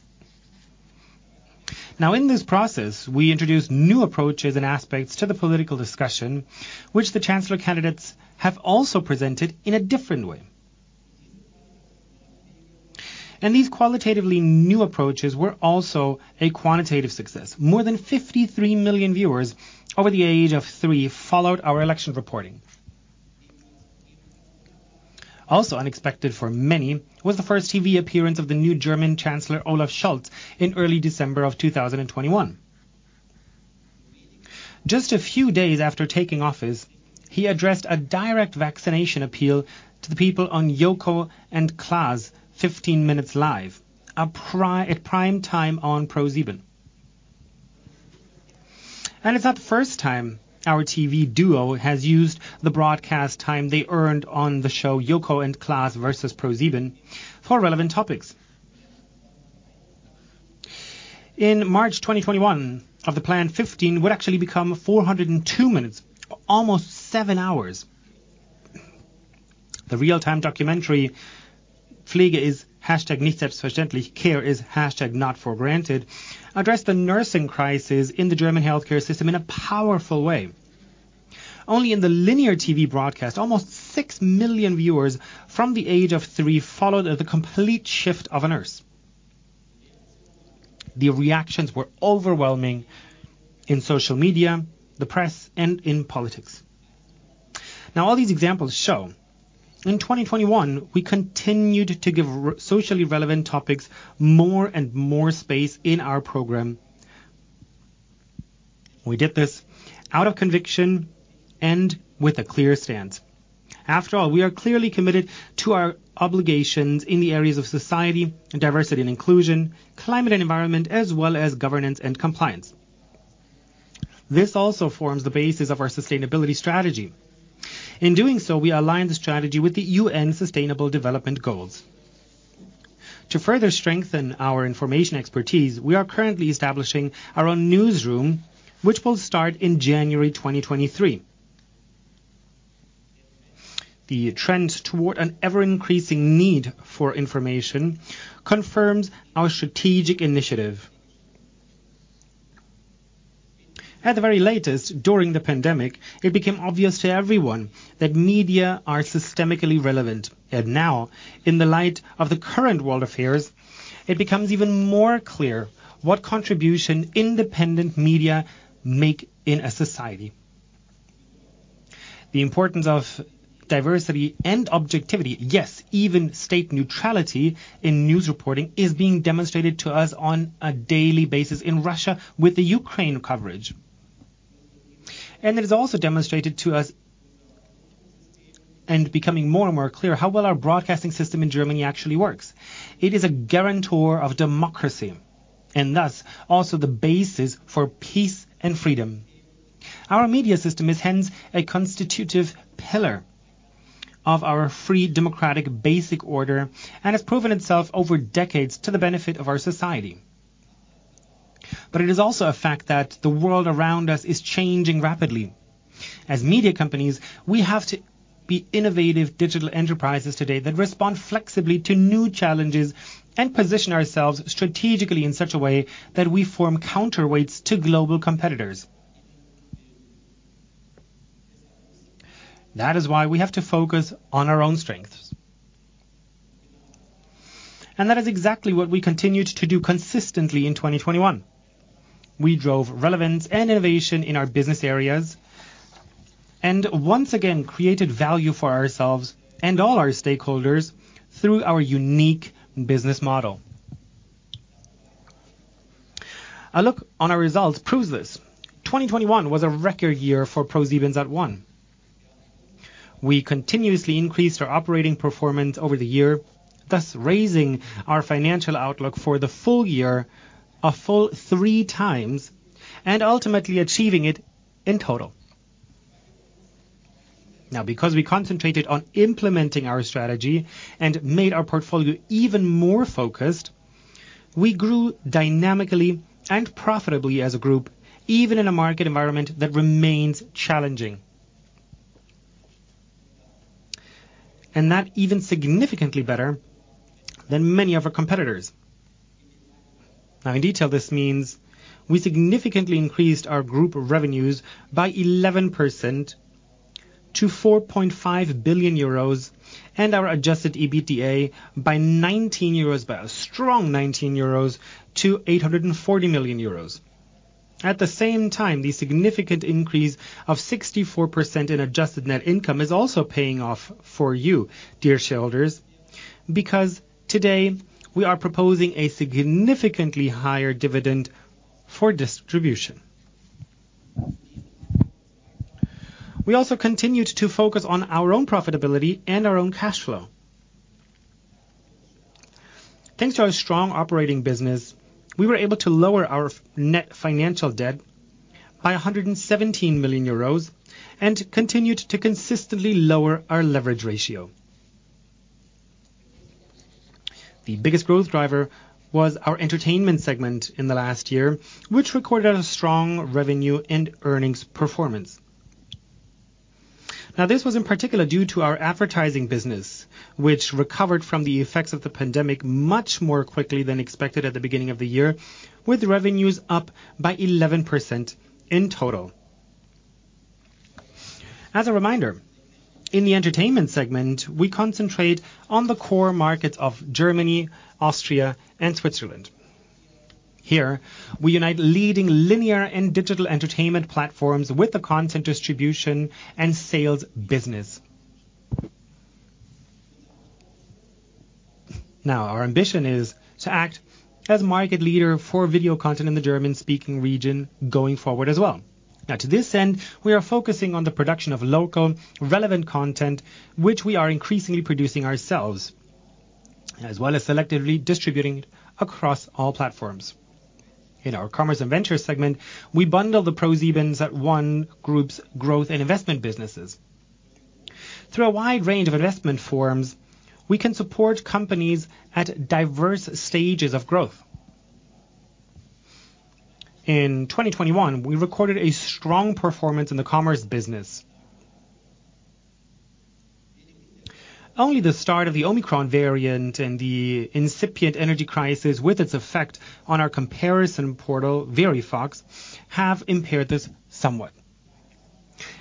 Now, in this process, we introduced new approaches and aspects to the political discussion, which the chancellor candidates have also presented in a different way. These qualitatively new approaches were also a quantitative success. More than 53 million viewers over the age of three followed our election reporting. Also unexpected for many was the first TV appearance of the new German Chancellor, Olaf Scholz, in early December 2021. Just a few days after taking office, he addressed a direct vaccination appeal to the people on Joko & Klaas 15 minutes live at prime time on ProSieben. It's not the first time our TV duo has used the broadcast time they earned on the show, Joko & Klaas vs. ProSieben, for relevant topics. In March 2021 of the planned 15 would actually become 402 minutes, almost seven hours. The real-time documentary, Pflege ist #NichtSelbstverständlich, Care is #not for granted, addressed the nursing crisis in the German healthcare system in a powerful way. Only in the linear TV broadcast, almost six million viewers from the age of three followed the complete shift of a nurse. The reactions were overwhelming in social media, the press, and in politics. Now, all these examples show in 2021, we continued to give socially relevant topics more and more space in our program. We did this out of conviction and with a clear stance. After all, we are clearly committed to our obligations in the areas of society, diversity and inclusion, climate and environment, as well as governance and compliance. This also forms the basis of our sustainability strategy. In doing so, we align the strategy with the UN Sustainable Development Goals. To further strengthen our information expertise, we are currently establishing our own newsroom, which will start in January 2023. The trend toward an ever-increasing need for information confirms our strategic initiative. At the very latest, during the pandemic, it became obvious to everyone that media are systemically relevant. Now, in the light of the current world affairs, it becomes even more clear what contribution independent media make in a society. The importance of diversity and objectivity, yes, even state neutrality in news reporting is being demonstrated to us on a daily basis in Russia with the Ukraine coverage. It is also demonstrated to us and becoming more and more clear how well our broadcasting system in Germany actually works. It is a guarantor of democracy, and thus also the basis for peace and freedom. Our media system is hence a constitutive pillar of our free democratic basic order and has proven itself over decades to the benefit of our society. It is also a fact that the world around us is changing rapidly. As media companies, we have to be innovative digital enterprises today that respond flexibly to new challenges and position ourselves strategically in such a way that we form counterweights to global competitors. That is why we have to focus on our own strengths. That is exactly what we continued to do consistently in 2021. We drove relevance and innovation in our business areas and once again created value for ourselves and all our stakeholders through our unique business model. A look on our results proves this. 2021 was a record year for ProSiebenSat.1. We continuously increased our operating performance over the year, thus raising our financial outlook for the full year a full three times and ultimately achieving it in total. Now, because we concentrated on implementing our strategy and made our portfolio even more focused, we grew dynamically and profitably as a group, even in a market environment that remains challenging. That even significantly better than many of our competitors. Now, in detail, this means we significantly increased our group revenues by 11% to 4.5 billion euros and our adjusted EBITDA by a strong 19% to 840 million euros. At the same time, the significant increase of 64% in adjusted net income is also paying off for you, dear shareholders, because today we are proposing a significantly higher dividend for distribution. We also continued to focus on our own profitability and our own cash flow. Thanks to our strong operating business, we were able to lower our net financial debt by 117 million euros and continued to consistently lower our leverage ratio. The biggest growth driver was our entertainment segment in the last year, which recorded a strong revenue and earnings performance. Now, this was in particular due to our advertising business, which recovered from the effects of the pandemic much more quickly than expected at the beginning of the year, with revenues up by 11% in total. As a reminder, in the entertainment segment, we concentrate on the core markets of Germany, Austria, and Switzerland. Here we unite leading linear and digital entertainment platforms with the content distribution and sales business. Our ambition is to act as market leader for video content in the German-speaking region going forward as well. To this end, we are focusing on the production of local relevant content, which we are increasingly producing ourselves, as well as selectively distributing it across all platforms. In our commerce and venture segment, we bundle the ProSiebenSat.1 Group's growth and investment businesses. Through a wide range of investment forums, we can support companies at diverse stages of growth. In 2021, we recorded a strong performance in the commerce business. Only the start of the Omicron variant and the incipient energy crisis with its effect on our comparison portal, Verivox, have impaired this somewhat.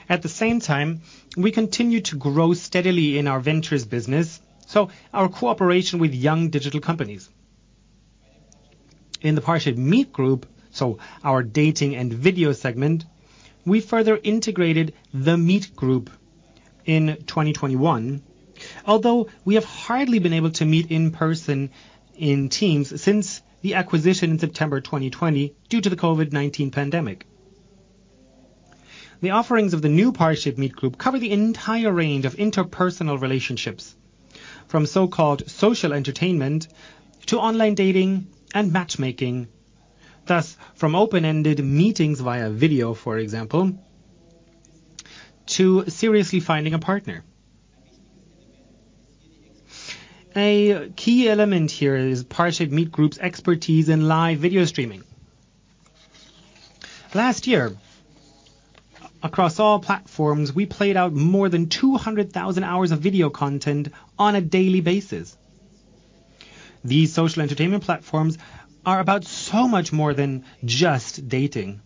At the same time, we continue to grow steadily in our ventures business, so our cooperation with young digital companies. In the ParshipMeet Group, so our dating and video segment, we further integrated the Meet Group in 2021. Although we have hardly been able to meet in person in teams since the acquisition in September 2020 due to the COVID-19 pandemic. The offerings of the new ParshipMeet Group cover the entire range of interpersonal relationships, from so-called social entertainment to online dating and matchmaking. Thus, from open-ended meetings via video, for example, to seriously finding a partner. A key element here is ParshipMeet Group's expertise in live video streaming. Last year, across all platforms, we played out more than 200,000 hours of video content on a daily basis. These social entertainment platforms are about so much more than just dating.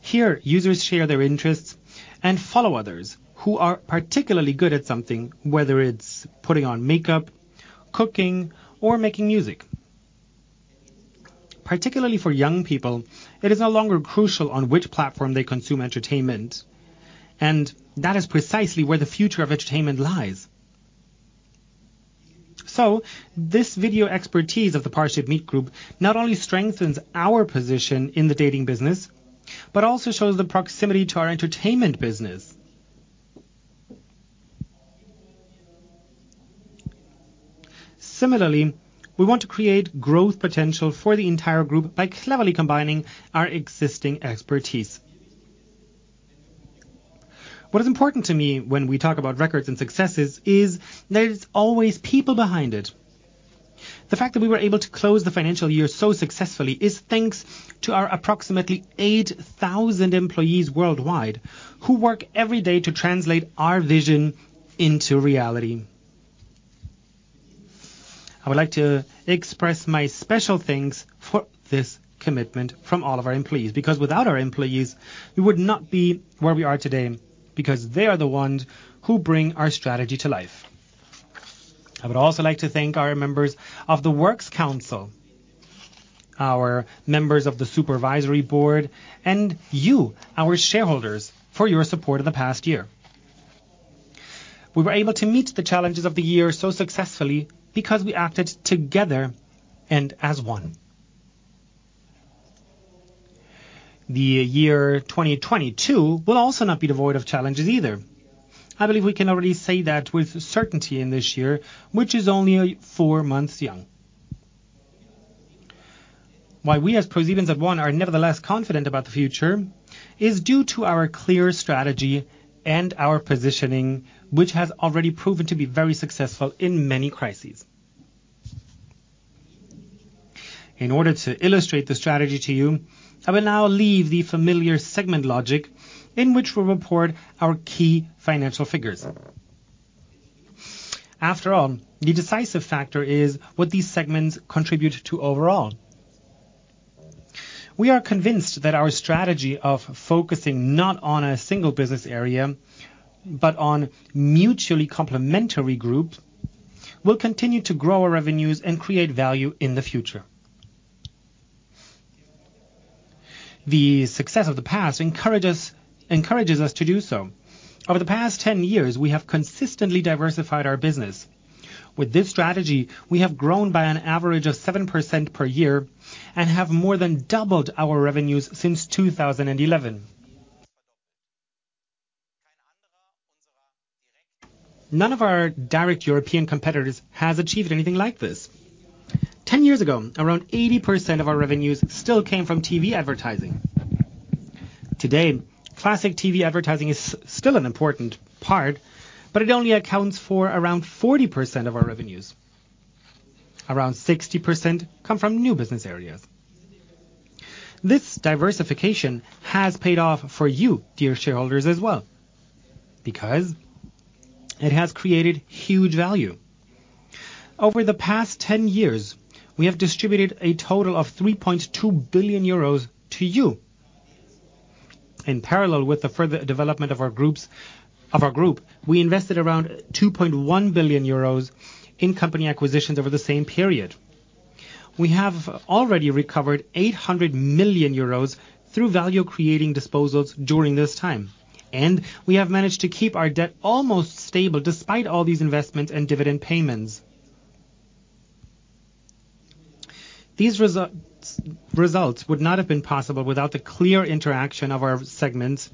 Here, users share their interests and follow others who are particularly good at something, whether it's putting on makeup, cooking, or making music. Particularly for young people, it is no longer crucial on which platform they consume entertainment, and that is precisely where the future of entertainment lies. This video expertise of the ParshipMeet Group not only strengthens our position in the dating business, but also shows the proximity to our entertainment business. Similarly, we want to create growth potential for the entire group by cleverly combining our existing expertise. What is important to me when we talk about records and successes is there's always people behind it. The fact that we were able to close the financial year so successfully is thanks to our approximately 8,000 employees worldwide who work every day to translate our vision into reality. I would like to express my special thanks for this commitment from all of our employees, because without our employees, we would not be where we are today because they are the ones who bring our strategy to life. I would also like to thank our members of the Works Council, our members of the Supervisory Board, and you, our shareholders, for your support in the past year. We were able to meet the challenges of the year so successfully because we acted together and as one. The year 2022 will also not be devoid of challenges either. I believe we can already say that with certainty in this year, which is only four months young. Why we as ProSiebenSat.1 are nevertheless confident about the future is due to our clear strategy and our positioning, which has already proven to be very successful in many crises. In order to illustrate the strategy to you, I will now leave the familiar segment logic in which we report our key financial figures. After all, the decisive factor is what these segments contribute to overall. We are convinced that our strategy of focusing not on a single business area, but on mutually complementary group, will continue to grow our revenues and create value in the future. The success of the past encourages us to do so. Over the past 10 years, we have consistently diversified our business. With this strategy, we have grown by an average of 7% per year and have more than doubled our revenues since 2011. None of our direct European competitors has achieved anything like this. 10 years ago, around 80% of our revenues still came from TV advertising. Today, classic TV advertising is still an important part, but it only accounts for around 40% of our revenues. Around 60% come from new business areas. This diversification has paid off for you, dear shareholders, as well because it has created huge value. Over the past 10 years, we have distributed a total of 3.2 billion euros to you. In parallel with the further development of our group, we invested around 2.1 billion euros in company acquisitions over the same period. We have already recovered 800 million euros through value creating disposals during this time, and we have managed to keep our debt almost stable despite all these investments and dividend payments. These results would not have been possible without the clear interaction of our segments,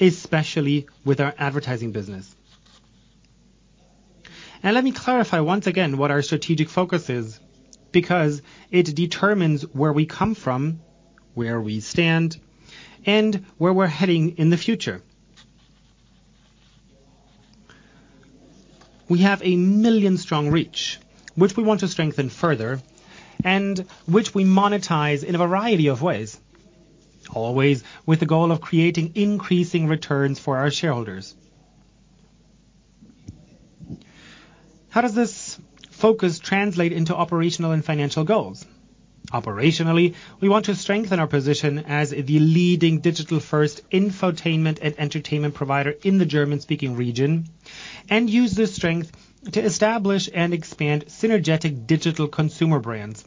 especially with our advertising business. Let me clarify once again what our strategic focus is because it determines where we come from, where we stand, and where we're heading in the future. We have a million-strong reach, which we want to strengthen further and which we monetize in a variety of ways, always with the goal of creating increasing returns for our shareholders. How does this focus translate into operational and financial goals? Operationally, we want to strengthen our position as the leading digital-first infotainment and entertainment provider in the German-speaking region and use this strength to establish and expand synergetic digital consumer brands.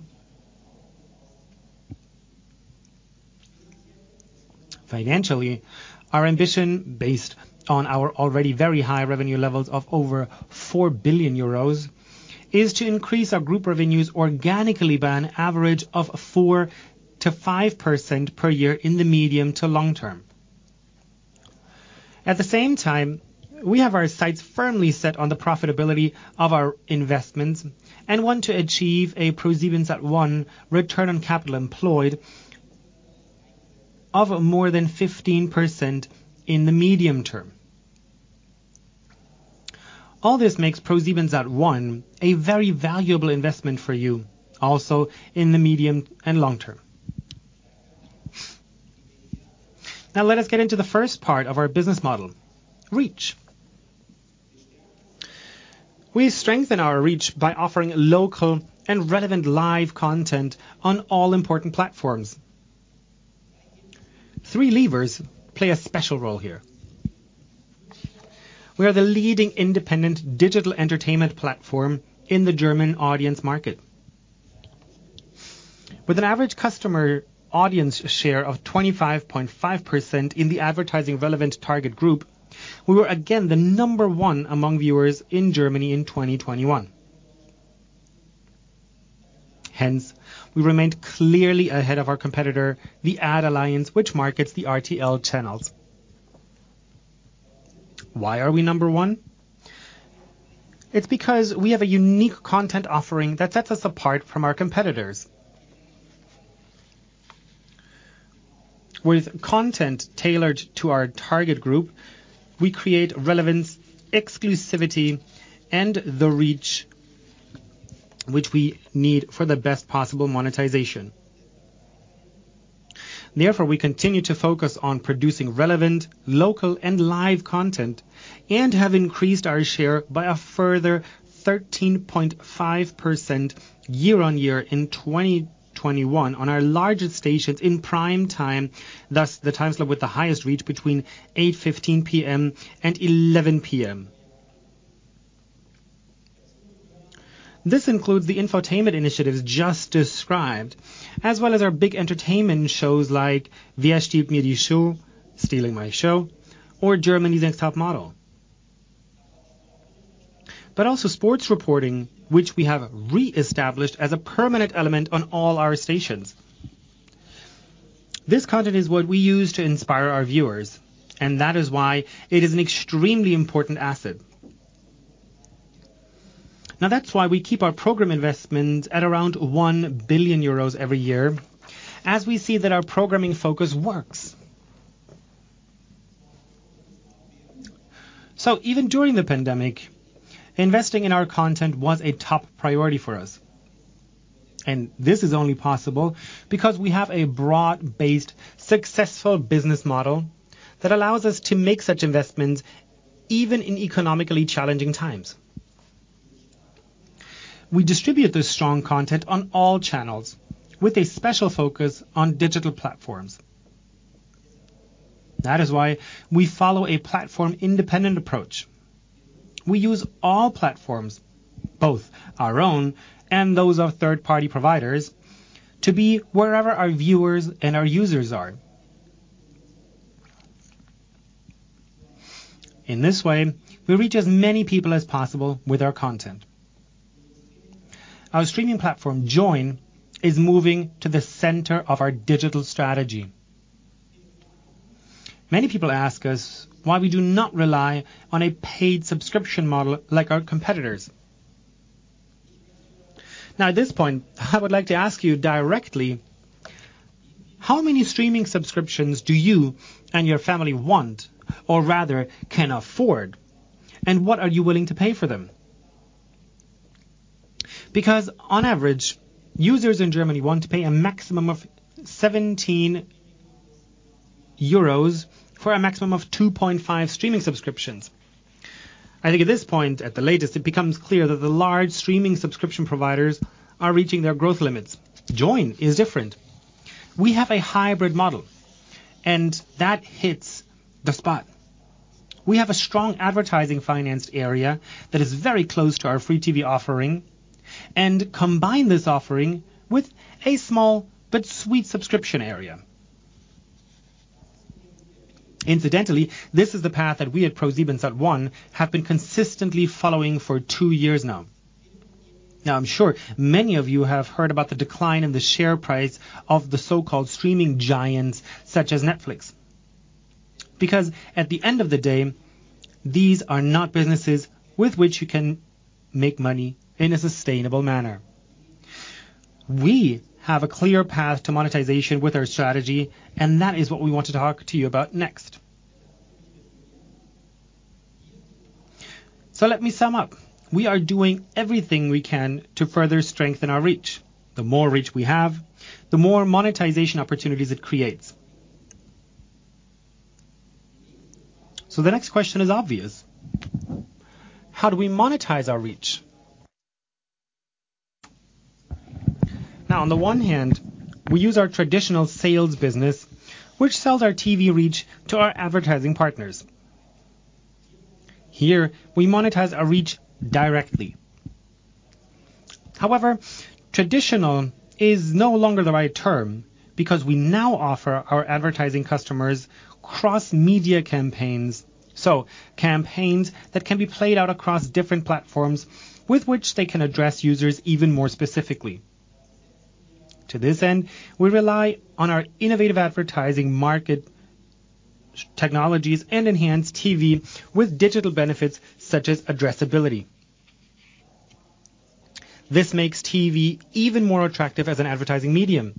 Financially, our ambition based on our already very high revenue levels of over 4 billion euros is to increase our group revenues organically by an average of 4%-5% per year in the medium to long term. At the same time, we have our sights firmly set on the profitability of our investments and want to achieve a ProSiebenSat.1 return on capital employed of more than 15% in the medium term. All this makes ProSiebenSat.1 a very valuable investment for you also in the medium and long term. Now let us get into the first part of our business model, reach. We strengthen our reach by offering local and relevant live content on all important platforms. Three levers play a special role here. We are the leading independent digital entertainment platform in the German audience market. With an average consumer audience share of 25.5% in the advertising relevant target group, we were again the number one among viewers in Germany in 2021. Hence, we remained clearly ahead of our competitor, the Ad Alliance, which markets the RTL channels. Why are we number one? It's because we have a unique content offering that sets us apart from our competitors. With content tailored to our target group, we create relevance, exclusivity, and the reach which we need for the best possible monetization. Therefore, we continue to focus on producing relevant, local, and live content and have increased our share by a further 13.5% year-on-year in 2021 on our largest stations in prime time, thus the time slot with the highest reach between 8:15 P.M. and 11:00 P.M. This includes the infotainment initiatives just described, as well as our big entertainment shows like Wer stiehlt mir die Show?, Stealing My Show, or Germany's Next Topmodel. Sports reporting, which we have reestablished as a permanent element on all our stations. This content is what we use to inspire our viewers, and that is why it is an extremely important asset. Now, that's why we keep our program investment at around 1 billion euros every year as we see that our programming focus works. Even during the pandemic, investing in our content was a top priority for us, and this is only possible because we have a broad-based, successful business model that allows us to make such investments even in economically challenging times. We distribute this strong content on all channels with a special focus on digital platforms. That is why we follow a platform-independent approach. We use all platforms, both our own and those of third-party providers, to be wherever our viewers and our users are. In this way, we reach as many people as possible with our content. Our streaming platform, Joyn, is moving to the center of our digital strategy. Many people ask us why we do not rely on a paid subscription model like our competitors. Now, at this point, I would like to ask you directly, how many streaming subscriptions do you and your family want, or rather can afford? And what are you willing to pay for them? Because on average, users in Germany want to pay a maximum of 17 euros for a maximum of 2.5 streaming subscriptions. I think at this point, at the latest, it becomes clear that the large streaming subscription providers are reaching their growth limits. Joyn is different. We have a hybrid model, and that hits the spot. We have a strong advertising financed area that is very close to our free TV offering and combine this offering with a small but sweet subscription area. Incidentally, this is the path that we at ProSiebenSat.1 have been consistently following for two years now. Now, I'm sure many of you have heard about the decline in the share price of the so-called streaming giants such as Netflix. Because at the end of the day, these are not businesses with which you can make money in a sustainable manner. We have a clear path to monetization with our strategy, and that is what we want to talk to you about next. Let me sum up. We are doing everything we can to further strengthen our reach. The more reach we have, the more monetization opportunities it creates. The next question is obvious. How do we monetize our reach? Now, on the one hand, we use our traditional sales business, which sells our TV reach to our advertising partners. Here, we monetize our reach directly. However, traditional is no longer the right term because we now offer our advertising customers cross-media campaigns. Campaigns that can be played out across different platforms with which they can address users even more specifically. To this end, we rely on our innovative advertising market technologies and enhance TV with digital benefits such as addressability. This makes TV even more attractive as an advertising medium.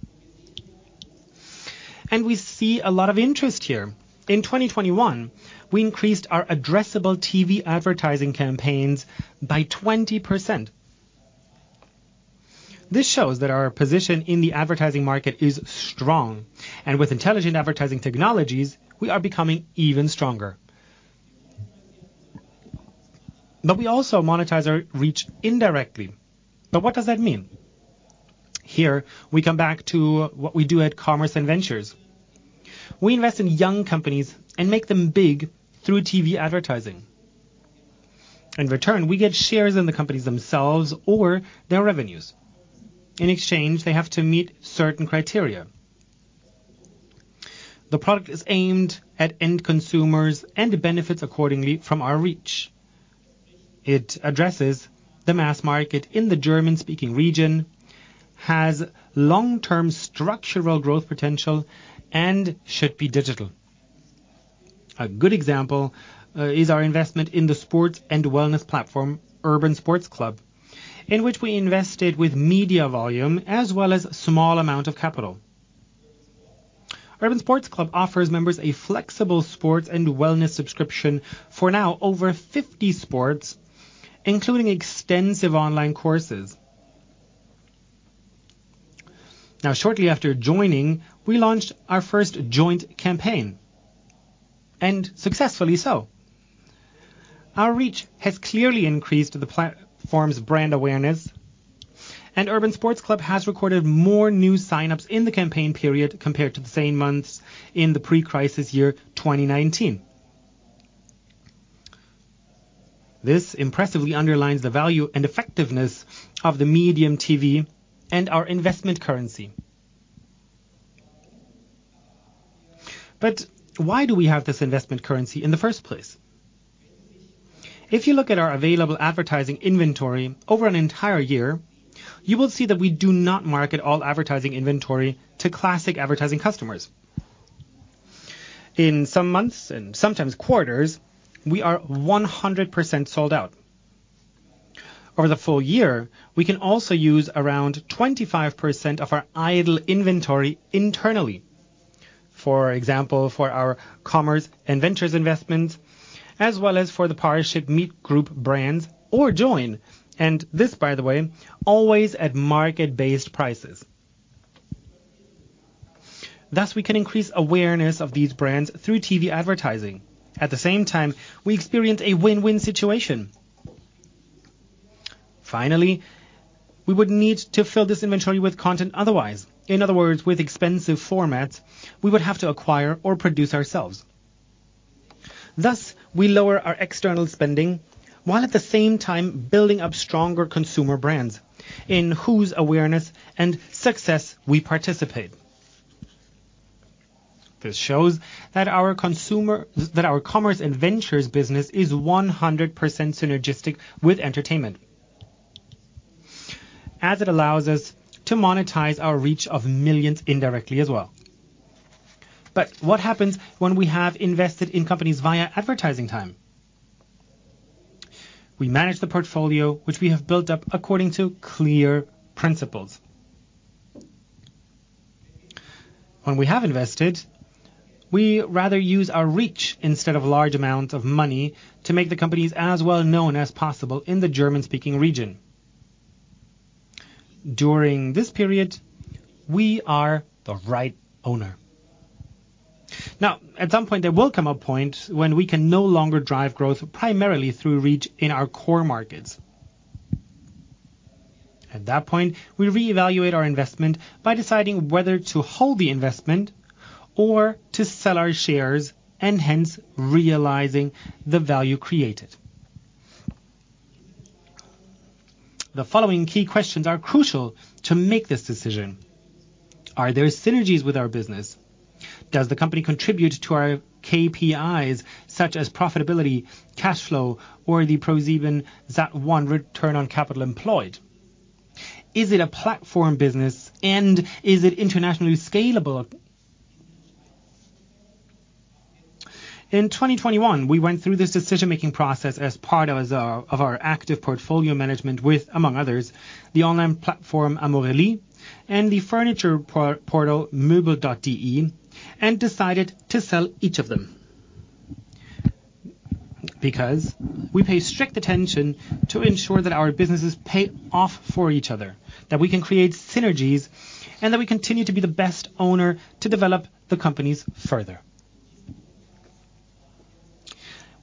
We see a lot of interest here. In 2021, we increased our addressable TV advertising campaigns by 20%. This shows that our position in the advertising market is strong, and with intelligent advertising technologies, we are becoming even stronger. We also monetize our reach indirectly. What does that mean? Here we come back to what we do at Commerce and Ventures. We invest in young companies and make them big through TV advertising. In return, we get shares in the companies themselves or their revenues. In exchange, they have to meet certain criteria. The product is aimed at end consumers and benefits accordingly from our reach. It addresses the mass market in the German-speaking region, has long-term structural growth potential and should be digital. A good example is our investment in the sports and wellness platform, Urban Sports Club, in which we invested with media volume as well as small amount of capital. Urban Sports Club offers members a flexible sports and wellness subscription for now over 50 sports, including extensive online courses. Now, shortly after joining, we launched our first joint campaign, and successfully so. Our reach has clearly increased the platform's brand awareness. Urban Sports Club has recorded more new sign-ups in the campaign period compared to the same months in the pre-crisis year 2019. This impressively underlines the value and effectiveness of the medium TV and our investment currency. Why do we have this investment currency in the first place? If you look at our available advertising inventory over an entire year, you will see that we do not market all advertising inventory to classic advertising customers. In some months and sometimes quarters, we are 100% sold out. Over the full year, we can also use around 25% of our idle inventory internally. For example, for our commerce and ventures investments, as well as for the ParshipMeet Group brands or Joyn. This, by the way, always at market-based prices. Thus, we can increase awareness of these brands through TV advertising. At the same time, we experience a win-win situation. Finally, we would need to fill this inventory with content otherwise. In other words, with expensive formats we would have to acquire or produce ourselves. Thus, we lower our external spending while at the same time building up stronger consumer brands in whose awareness and success we participate. This shows that our commerce and ventures business is 100% synergistic with entertainment. As it allows us to monetize our reach of millions indirectly as well. What happens when we have invested in companies via advertising time? We manage the portfolio which we have built up according to clear principles. When we have invested, we rather use our reach instead of large amount of money to make the companies as well known as possible in the German-speaking region. During this period, we are the right owner. Now, at some point, there will come a point when we can no longer drive growth primarily through reach in our core markets. At that point, we reevaluate our investment by deciding whether to hold the investment or to sell our shares and hence realizing the value created. The following key questions are crucial to make this decision. Are there synergies with our business? Does the company contribute to our KPIs such as profitability, cash flow, or the ProSiebenSat.1 return on capital employed? Is it a platform business, and is it internationally scalable? In 2021, we went through this decision-making process as part of our active portfolio management with, among others, the online platform Amorelie and the furniture portal moebel.de and decided to sell each of them. Because we pay strict attention to ensure that our businesses pay off for each other, that we can create synergies, and that we continue to be the best owner to develop the companies further.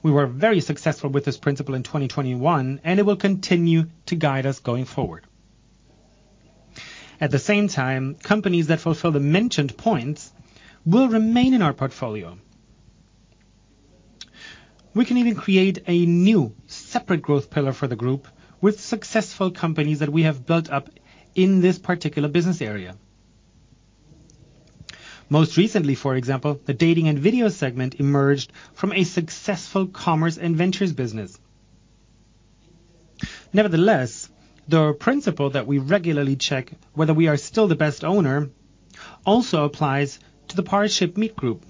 We were very successful with this principle in 2021, and it will continue to guide us going forward. At the same time, companies that fulfill the mentioned points will remain in our portfolio. We can even create a new separate growth pillar for the group with successful companies that we have built up in this particular business area. Most recently, for example, the dating and video segment emerged from a successful commerce and ventures business. Nevertheless, the principle that we regularly check whether we are still the best owner also applies to the ParshipMeet Group.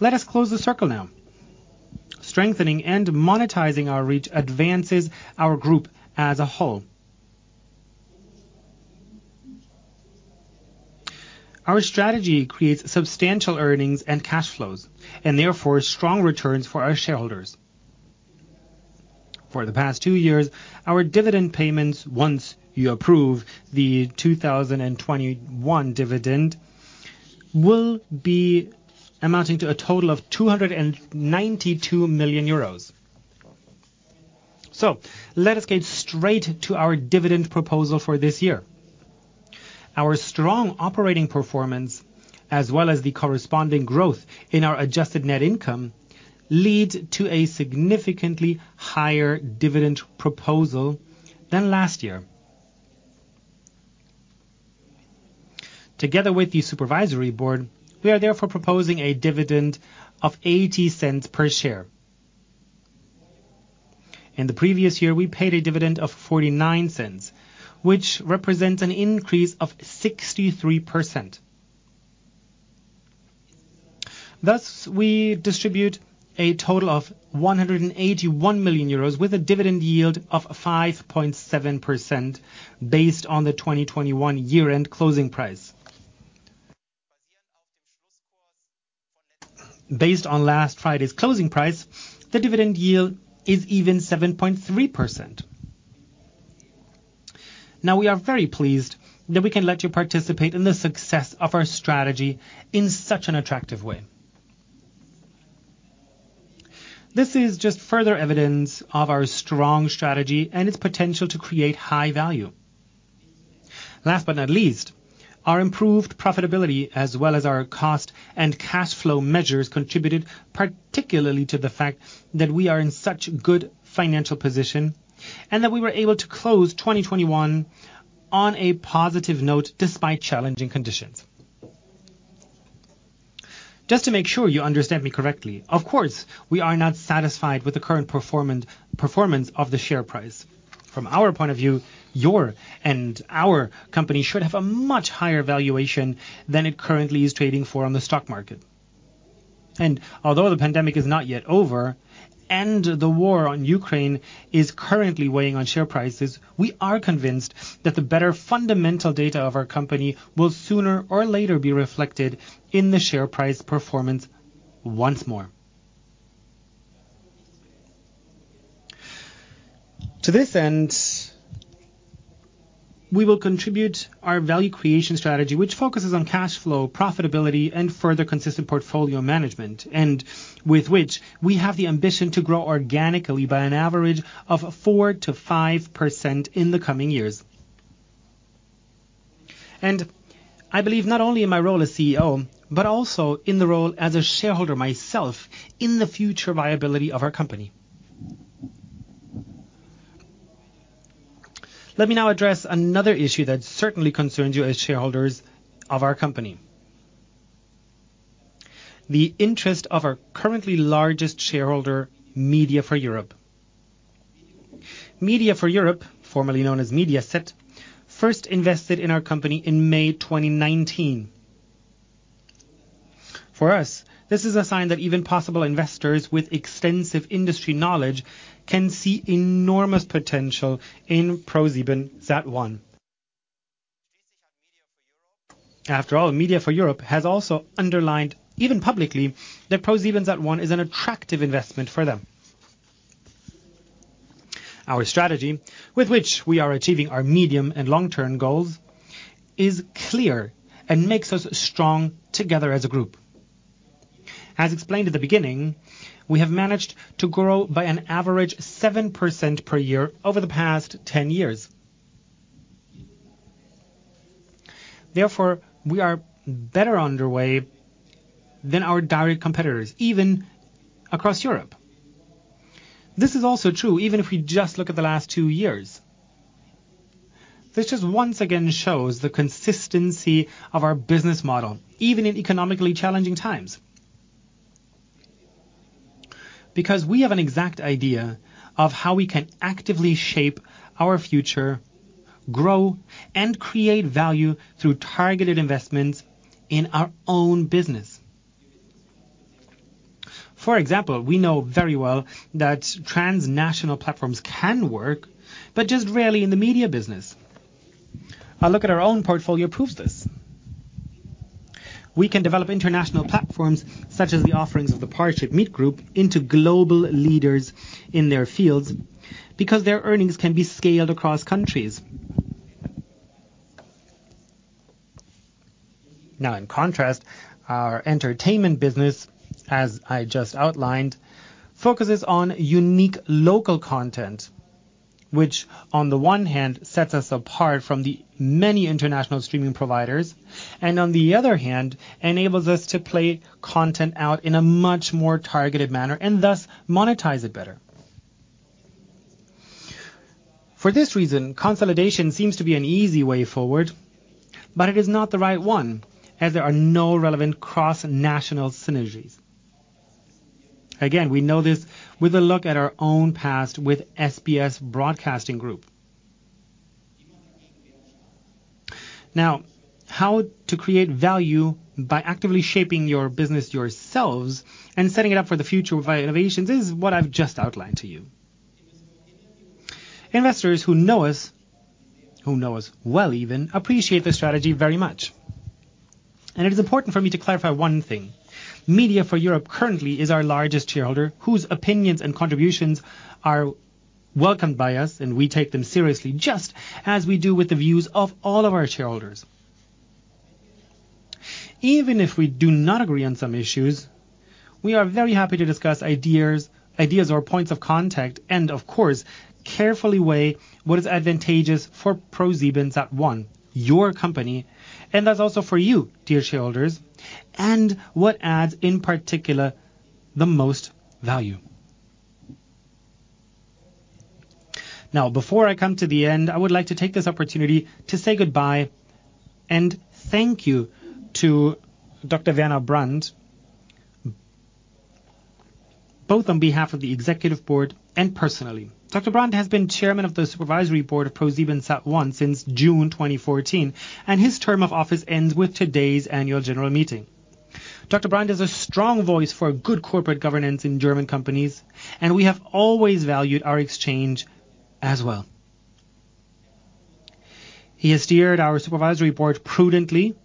Let us close the circle now. Strengthening and monetizing our reach advances our group as a whole. Our strategy creates substantial earnings and cash flows, and therefore strong returns for our shareholders. For the past two years, our dividend payments, once you approve the 2021 dividend, will be amounting to a total of 292 million euros. Let us get straight to our dividend proposal for this year. Our strong operating performance, as well as the corresponding growth in our adjusted net income, leads to a significantly higher dividend proposal than last year. Together with the supervisory board, we are therefore proposing a dividend of 0.80 per share. In the previous year, we paid a dividend of 0.49, which represents an increase of 63%. Thus, we distribute a total of 181 million euros with a dividend yield of 5.7% based on the 2021 year-end closing price. Based on last Friday's closing price, the dividend yield is even 7.3%. Now, we are very pleased that we can let you participate in the success of our strategy in such an attractive way. This is just further evidence of our strong strategy and its potential to create high value. Last but not least, our improved profitability as well as our cost and cash flow measures contributed particularly to the fact that we are in such good financial position and that we were able to close 2021 on a positive note despite challenging conditions. Just to make sure you understand me correctly, of course, we are not satisfied with the current performance of the share price. From our point of view, your and our company should have a much higher valuation than it currently is trading for on the stock market. Although the pandemic is not yet over and the war in Ukraine is currently weighing on share prices, we are convinced that the better fundamental data of our company will sooner or later be reflected in the share price performance once more. To this end, we will contribute our value creation strategy, which focuses on cash flow, profitability, and further consistent portfolio management, and with which we have the ambition to grow organically by an average of 4%-5% in the coming years. I believe not only in my role as CEO, but also in the role as a shareholder myself in the future viability of our company. Let me now address another issue that certainly concerns you as shareholders of our company. The interest of our currently largest shareholder, MEDIAFOREUROPE. MEDIAFOREUROPE, formerly known as Mediaset, first invested in our company in May 2019. For us, this is a sign that even possible investors with extensive industry knowledge can see enormous potential in ProSiebenSat.1. After all, MEDIAFOREUROPE has also underlined, even publicly, that ProSiebenSat.1 is an attractive investment for them. Our strategy with which we are achieving our medium- and long-term goals is clear and makes us strong together as a group. As explained at the beginning, we have managed to grow by an average 7% per year over the past 10 years. Therefore, we are better underway than our direct competitors, even across Europe. This is also true even if we just look at the last two years. This just once again shows the consistency of our business model, even in economically challenging times. Because we have an exact idea of how we can actively shape our future, grow and create value through targeted investments in our own business. For example, we know very well that transnational platforms can work, but just rarely in the media business. A look at our own portfolio proves this. We can develop international platforms such as the offerings of the ParshipMeet Group into global leaders in their fields because their earnings can be scaled across countries. Now, in contrast, our entertainment business, as I just outlined, focuses on unique local content, which on the one hand sets us apart from the many international streaming providers, and on the other hand, enables us to play content out in a much more targeted manner and thus monetize it better. For this reason, consolidation seems to be an easy way forward, but it is not the right one as there are no relevant cross-national synergies. Again, we know this with a look at our own past with SBS Broadcasting Group. Now, how to create value by actively shaping your business yourselves and setting it up for the future via innovations is what I've just outlined to you. Investors who know us, who know us well even, appreciate this strategy very much. It is important for me to clarify one thing. MEDIAFOREUROPE currently is our largest shareholder, whose opinions and contributions are welcomed by us, and we take them seriously, just as we do with the views of all of our shareholders. Even if we do not agree on some issues, we are very happy to discuss ideas or points of contact, and of course, carefully weigh what is advantageous for ProSiebenSat.1, your company, and thus also for you, dear shareholders, and what adds, in particular, the most value. Now, before I come to the end, I would like to take this opportunity to say goodbye and thank you to Dr. Werner Brandt, both on behalf of the executive board and personally. Dr. Brandt has been chairman of the supervisory board of ProSiebenSat.1 since June 2014, and his term of office ends with today's annual general meeting. Dr. Brandt is a strong voice for good corporate governance in German companies, and we have always valued our exchange as well. He has steered our supervisory board prudently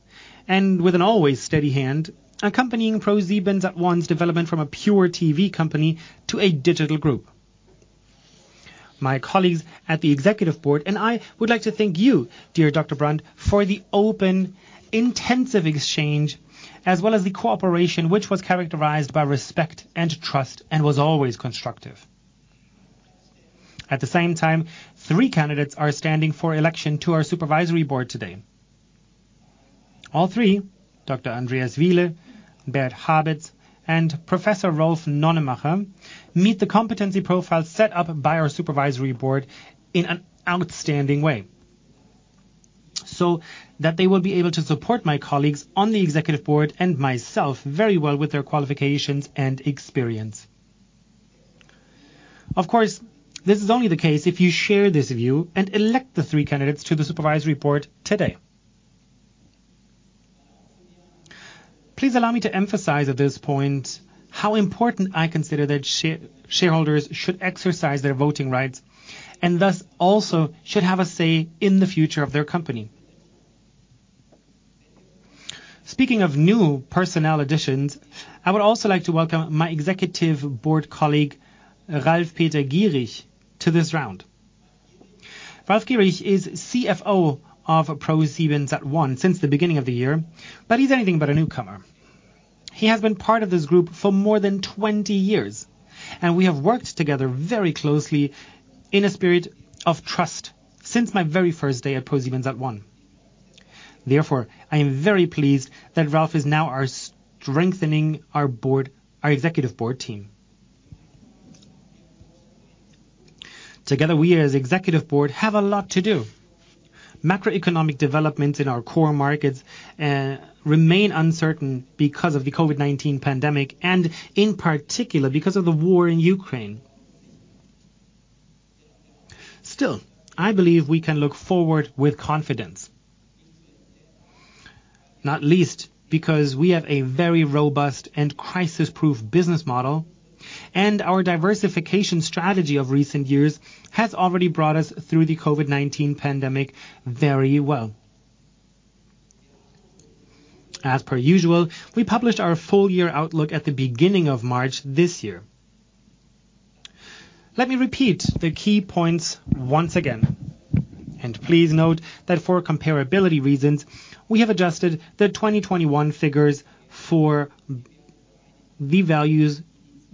and with an always steady hand, accompanying ProSiebenSat.1's development from a pure TV company to a digital group. My colleagues at the executive board and I would like to thank you, dear Dr. Brandt, for the open, intensive exchange, as well as the cooperation which was characterized by respect and trust and was always constructive. At the same time, three candidates are standing for election to our supervisory board today. All three, Dr. Andreas Wiele, Bert Habets, and Professor Rolf Nonnenmacher, meet the competency profile set up by our supervisory board in an outstanding way, so that they will be able to support my colleagues on the executive board and myself very well with their qualifications and experience. Of course, this is only the case if you share this view and elect the three candidates to the supervisory board today. Please allow me to emphasize at this point how important I consider that shareholders should exercise their voting rights and thus also should have a say in the future of their company. Speaking of new personnel additions, I would also like to welcome my executive board colleague, Ralf Peter Gierig, to this round. Ralf Gierig is CFO of ProSiebenSat.1 since the beginning of the year, but he's anything but a newcomer. He has been part of this group for more than 20 years, and we have worked together very closely in a spirit of trust since my very first day at ProSiebenSat.1. Therefore, I am very pleased that Ralf is now strengthening our executive board team. Together, we as executive board have a lot to do. Macroeconomic developments in our core markets remain uncertain because of the COVID-19 pandemic and in particular because of the war in Ukraine. Still, I believe we can look forward with confidence, not least because we have a very robust and crisis-proof business model, and our diversification strategy of recent years has already brought us through the COVID-19 pandemic very well. As per usual, we published our full year outlook at the beginning of March this year. Let me repeat the key points once again. Please note that for comparability reasons, we have adjusted the 2021 figures for the values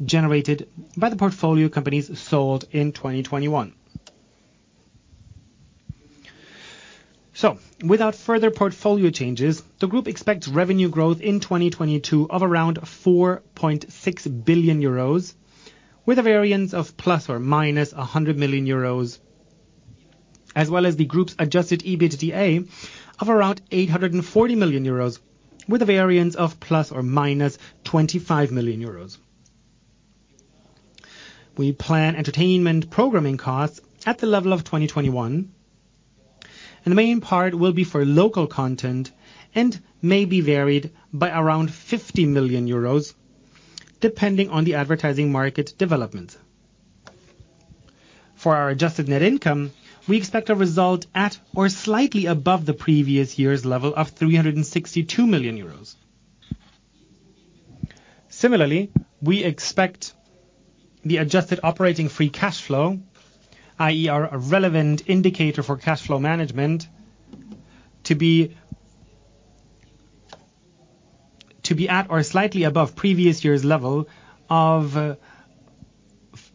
generated by the portfolio companies sold in 2021. Without further portfolio changes, the group expects revenue growth in 2022 of around 4.6 billion euros, with a variance of ±100 million euros, as well as the group's adjusted EBITDA of around 840 million euros, with a variance of ±25 million euros. We plan entertainment programming costs at the level of 2021, and the main part will be for local content and may be varied by around 50 million euros, depending on the advertising market developments. For our adjusted net income, we expect a result at or slightly above the previous year's level of 362 million euros. Similarly, we expect the adjusted operating free cash flow, i.e., our relevant indicator for cash flow management, to be at or slightly above previous year's level of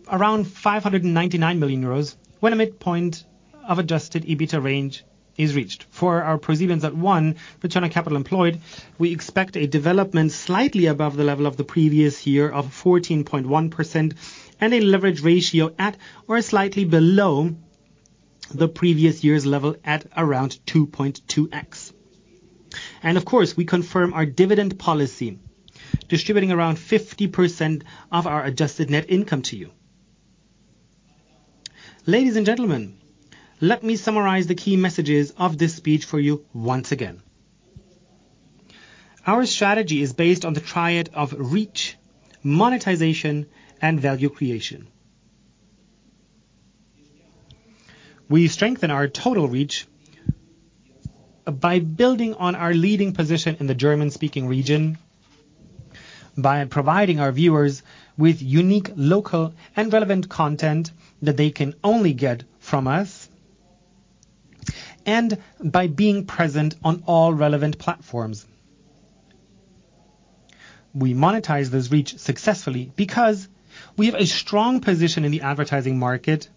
599 million euros when a midpoint of adjusted EBITDA range is reached. For our ROCE, return on capital employed, we expect a development slightly above the level of the previous year of 14.1% and a leverage ratio at or slightly below the previous year's level at around 2.2x. Of course, we confirm our dividend policy, distributing around 50% of our adjusted net income to you. Ladies and gentlemen, let me summarize the key messages of this speech for you once again. Our strategy is based on the triad of reach, monetization, and value creation. We strengthen our total reach by building on our leading position in the German-speaking region, by providing our viewers with unique local and relevant content that they can only get from us, and by being present on all relevant platforms. We monetize this reach successfully because we have a strong position in the advertising market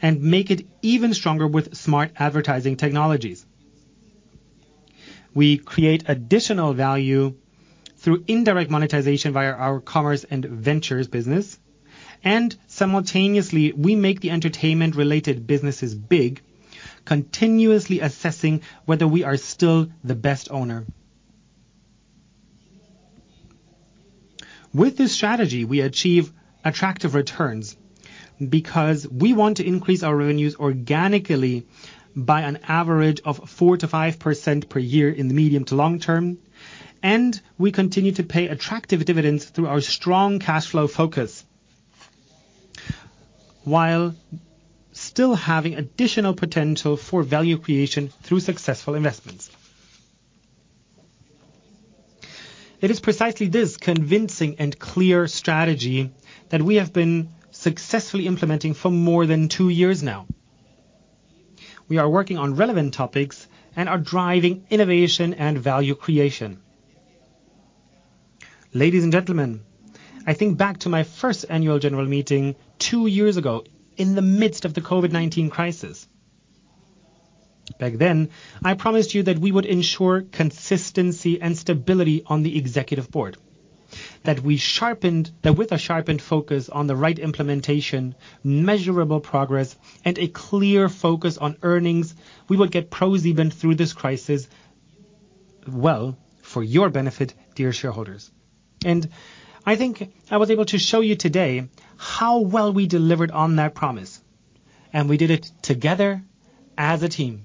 and make it even stronger with smart advertising technologies. We create additional value through indirect monetization via our commerce and ventures business. Simultaneously, we make the entertainment-related businesses big, continuously assessing whether we are still the best owner. With this strategy, we achieve attractive returns because we want to increase our revenues organically by an average of 4%-5% per year in the medium to long term, and we continue to pay attractive dividends through our strong cash flow focus, while still having additional potential for value creation through successful investments. It is precisely this convincing and clear strategy that we have been successfully implementing for more than two years now. We are working on relevant topics and are driving innovation and value creation. Ladies and gentlemen, I think back to my first annual general meeting two years ago in the midst of the COVID-19 crisis. Back then, I promised you that we would ensure consistency and stability on the executive board, that with a sharpened focus on the right implementation, measurable progress and a clear focus on earnings, we would get ProSieben through this crisis, well, for your benefit, dear shareholders. I think I was able to show you today how well we delivered on that promise, and we did it together as a team.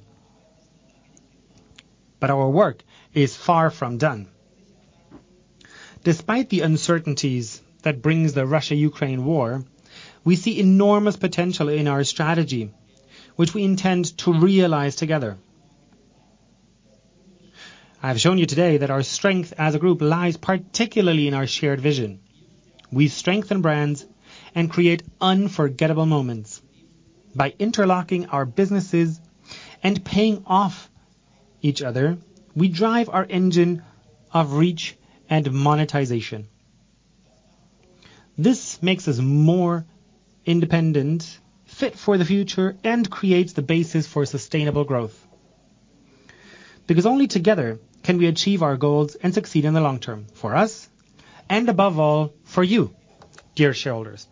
Our work is far from done. Despite the uncertainties that brings the Russia-Ukraine war, we see enormous potential in our strategy, which we intend to realize together. I've shown you today that our strength as a group lies particularly in our shared vision. We strengthen brands and create unforgettable moments. By interlocking our businesses and playing off each other, we drive our engine of reach and monetization. This makes us more independent, fit for the future, and creates the basis for sustainable growth. Because only together can we achieve our goals and succeed in the long term for us and above all, for you, dear shareholders.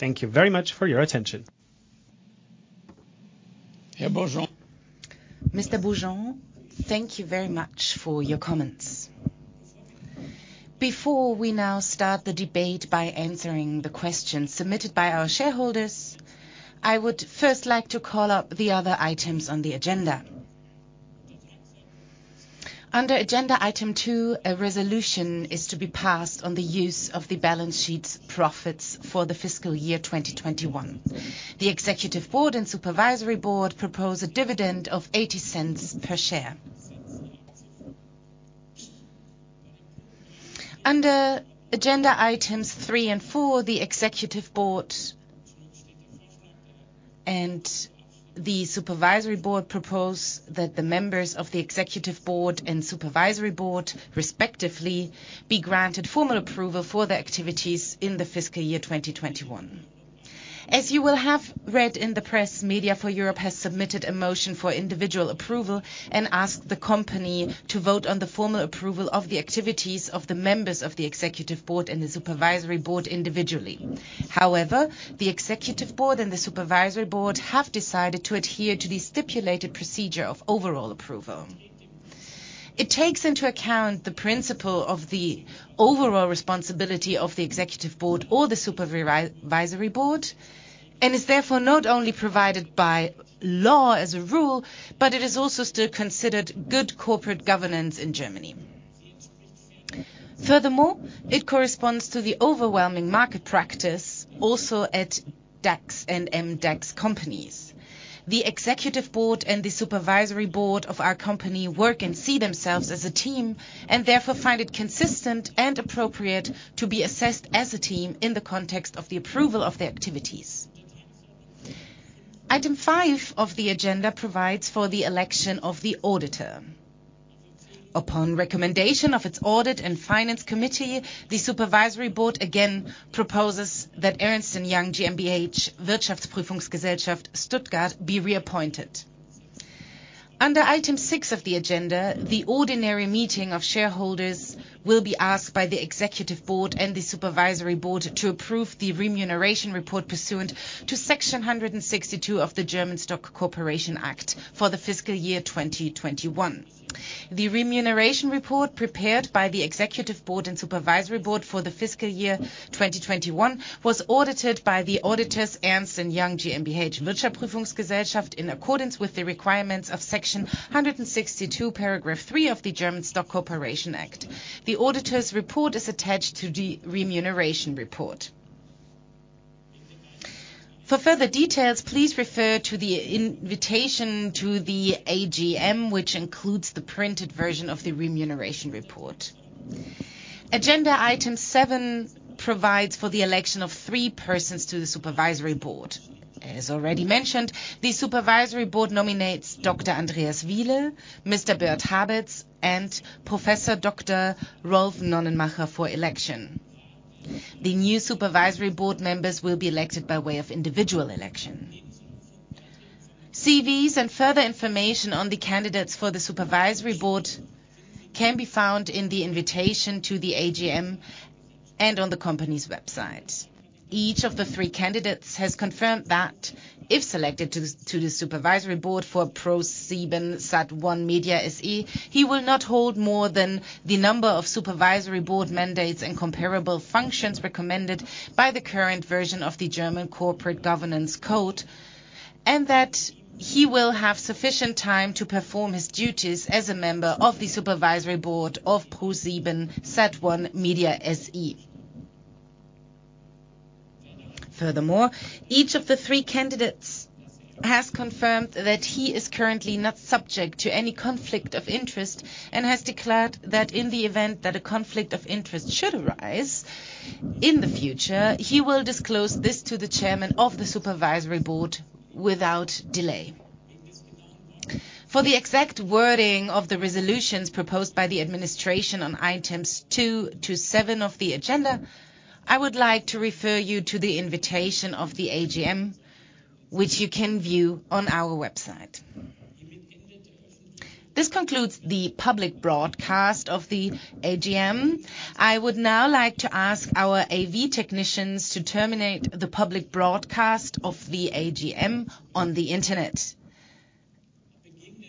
Thank you very much for your attention. Mr. Beaujean, thank you very much for your comments. Before we now start the debate by answering the questions submitted by our shareholders, I would first like to call up the other items on the agenda. Under agenda item two, a resolution is to be passed on the use of the balance sheet's profits for the fiscal year 2021. The Executive Board and Supervisory Board propose a dividend of 0.80 per share. Under agenda items three and four, the Executive Board and the Supervisory Board propose that the members of the Executive Board and Supervisory Board, respectively, be granted formal approval for their activities in the fiscal year 2021. As you will have read in the press, MEDIAFOREUROPE has submitted a motion for individual approval and asked the company to vote on the formal approval of the activities of the members of the executive board and the supervisory board individually. However, the executive board and the supervisory board have decided to adhere to the stipulated procedure of overall approval. It takes into account the principle of the overall responsibility of the executive board or the supervisory board, and is therefore not only provided by law as a rule, but it is also still considered good corporate governance in Germany. Furthermore, it corresponds to the overwhelming market practice also at DAX and MDAX companies. The Executive Board and the Supervisory Board of our company work and see themselves as a team and therefore find it consistent and appropriate to be assessed as a team in the context of the approval of their activities. Item five of the agenda provides for the election of the auditor. Upon recommendation of its Audit and Finance Committee, the Supervisory Board again proposes that Ernst & Young GmbH Stuttgart be reappointed. Under Item six of the agenda, the ordinary meeting of shareholders will be asked by the Executive Board and the Supervisory Board to approve the remuneration report pursuant to Section 162 of the German Stock Corporation Act for the fiscal year 2021. The remuneration report prepared by the executive board and supervisory board for the fiscal year 2021 was audited by the auditors Ernst & Young GmbH in accordance with the requirements of Section 162, paragraph three of the German Stock Corporation Act. The auditor's report is attached to the remuneration report. For further details, please refer to the invitation to the AGM, which includes the printed version of the remuneration report. Agenda item seven provides for the election of three persons to the supervisory board. As already mentioned, the supervisory board nominates Dr. Andreas Wiele, Mr. Bert Habets, and Professor Dr. Rolf Nonnenmacher for election. The new supervisory board members will be elected by way of individual election. CVs and further information on the candidates for the supervisory board can be found in the invitation to the AGM and on the company's website. Each of the three candidates has confirmed that if selected to the supervisory board for ProSiebenSat.1 Media SE, he will not hold more than the number of supervisory board mandates and comparable functions recommended by the current version of the German Corporate Governance Code, and that he will have sufficient time to perform his duties as a member of the supervisory board of ProSiebenSat.1 Media SE. Furthermore, each of the three candidates has confirmed that he is currently not subject to any conflict of interest and has declared that in the event that a conflict of interest should arise in the future, he will disclose this to the chairman of the supervisory board without delay. For the exact wording of the resolutions proposed by the administration on items two to seven of the agenda, I would like to refer you to the invitation of the AGM, which you can view on our website. This concludes the public broadcast of the AGM. I would now like to ask our AV technicians to terminate the public broadcast of the AGM on the Internet.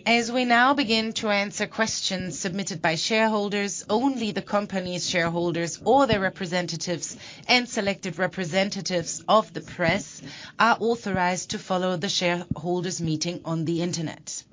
As we now begin to answer questions submitted by shareholders, only the company's shareholders or their representatives and selected representatives of the press are authorized to follow the shareholders meeting on the Internet.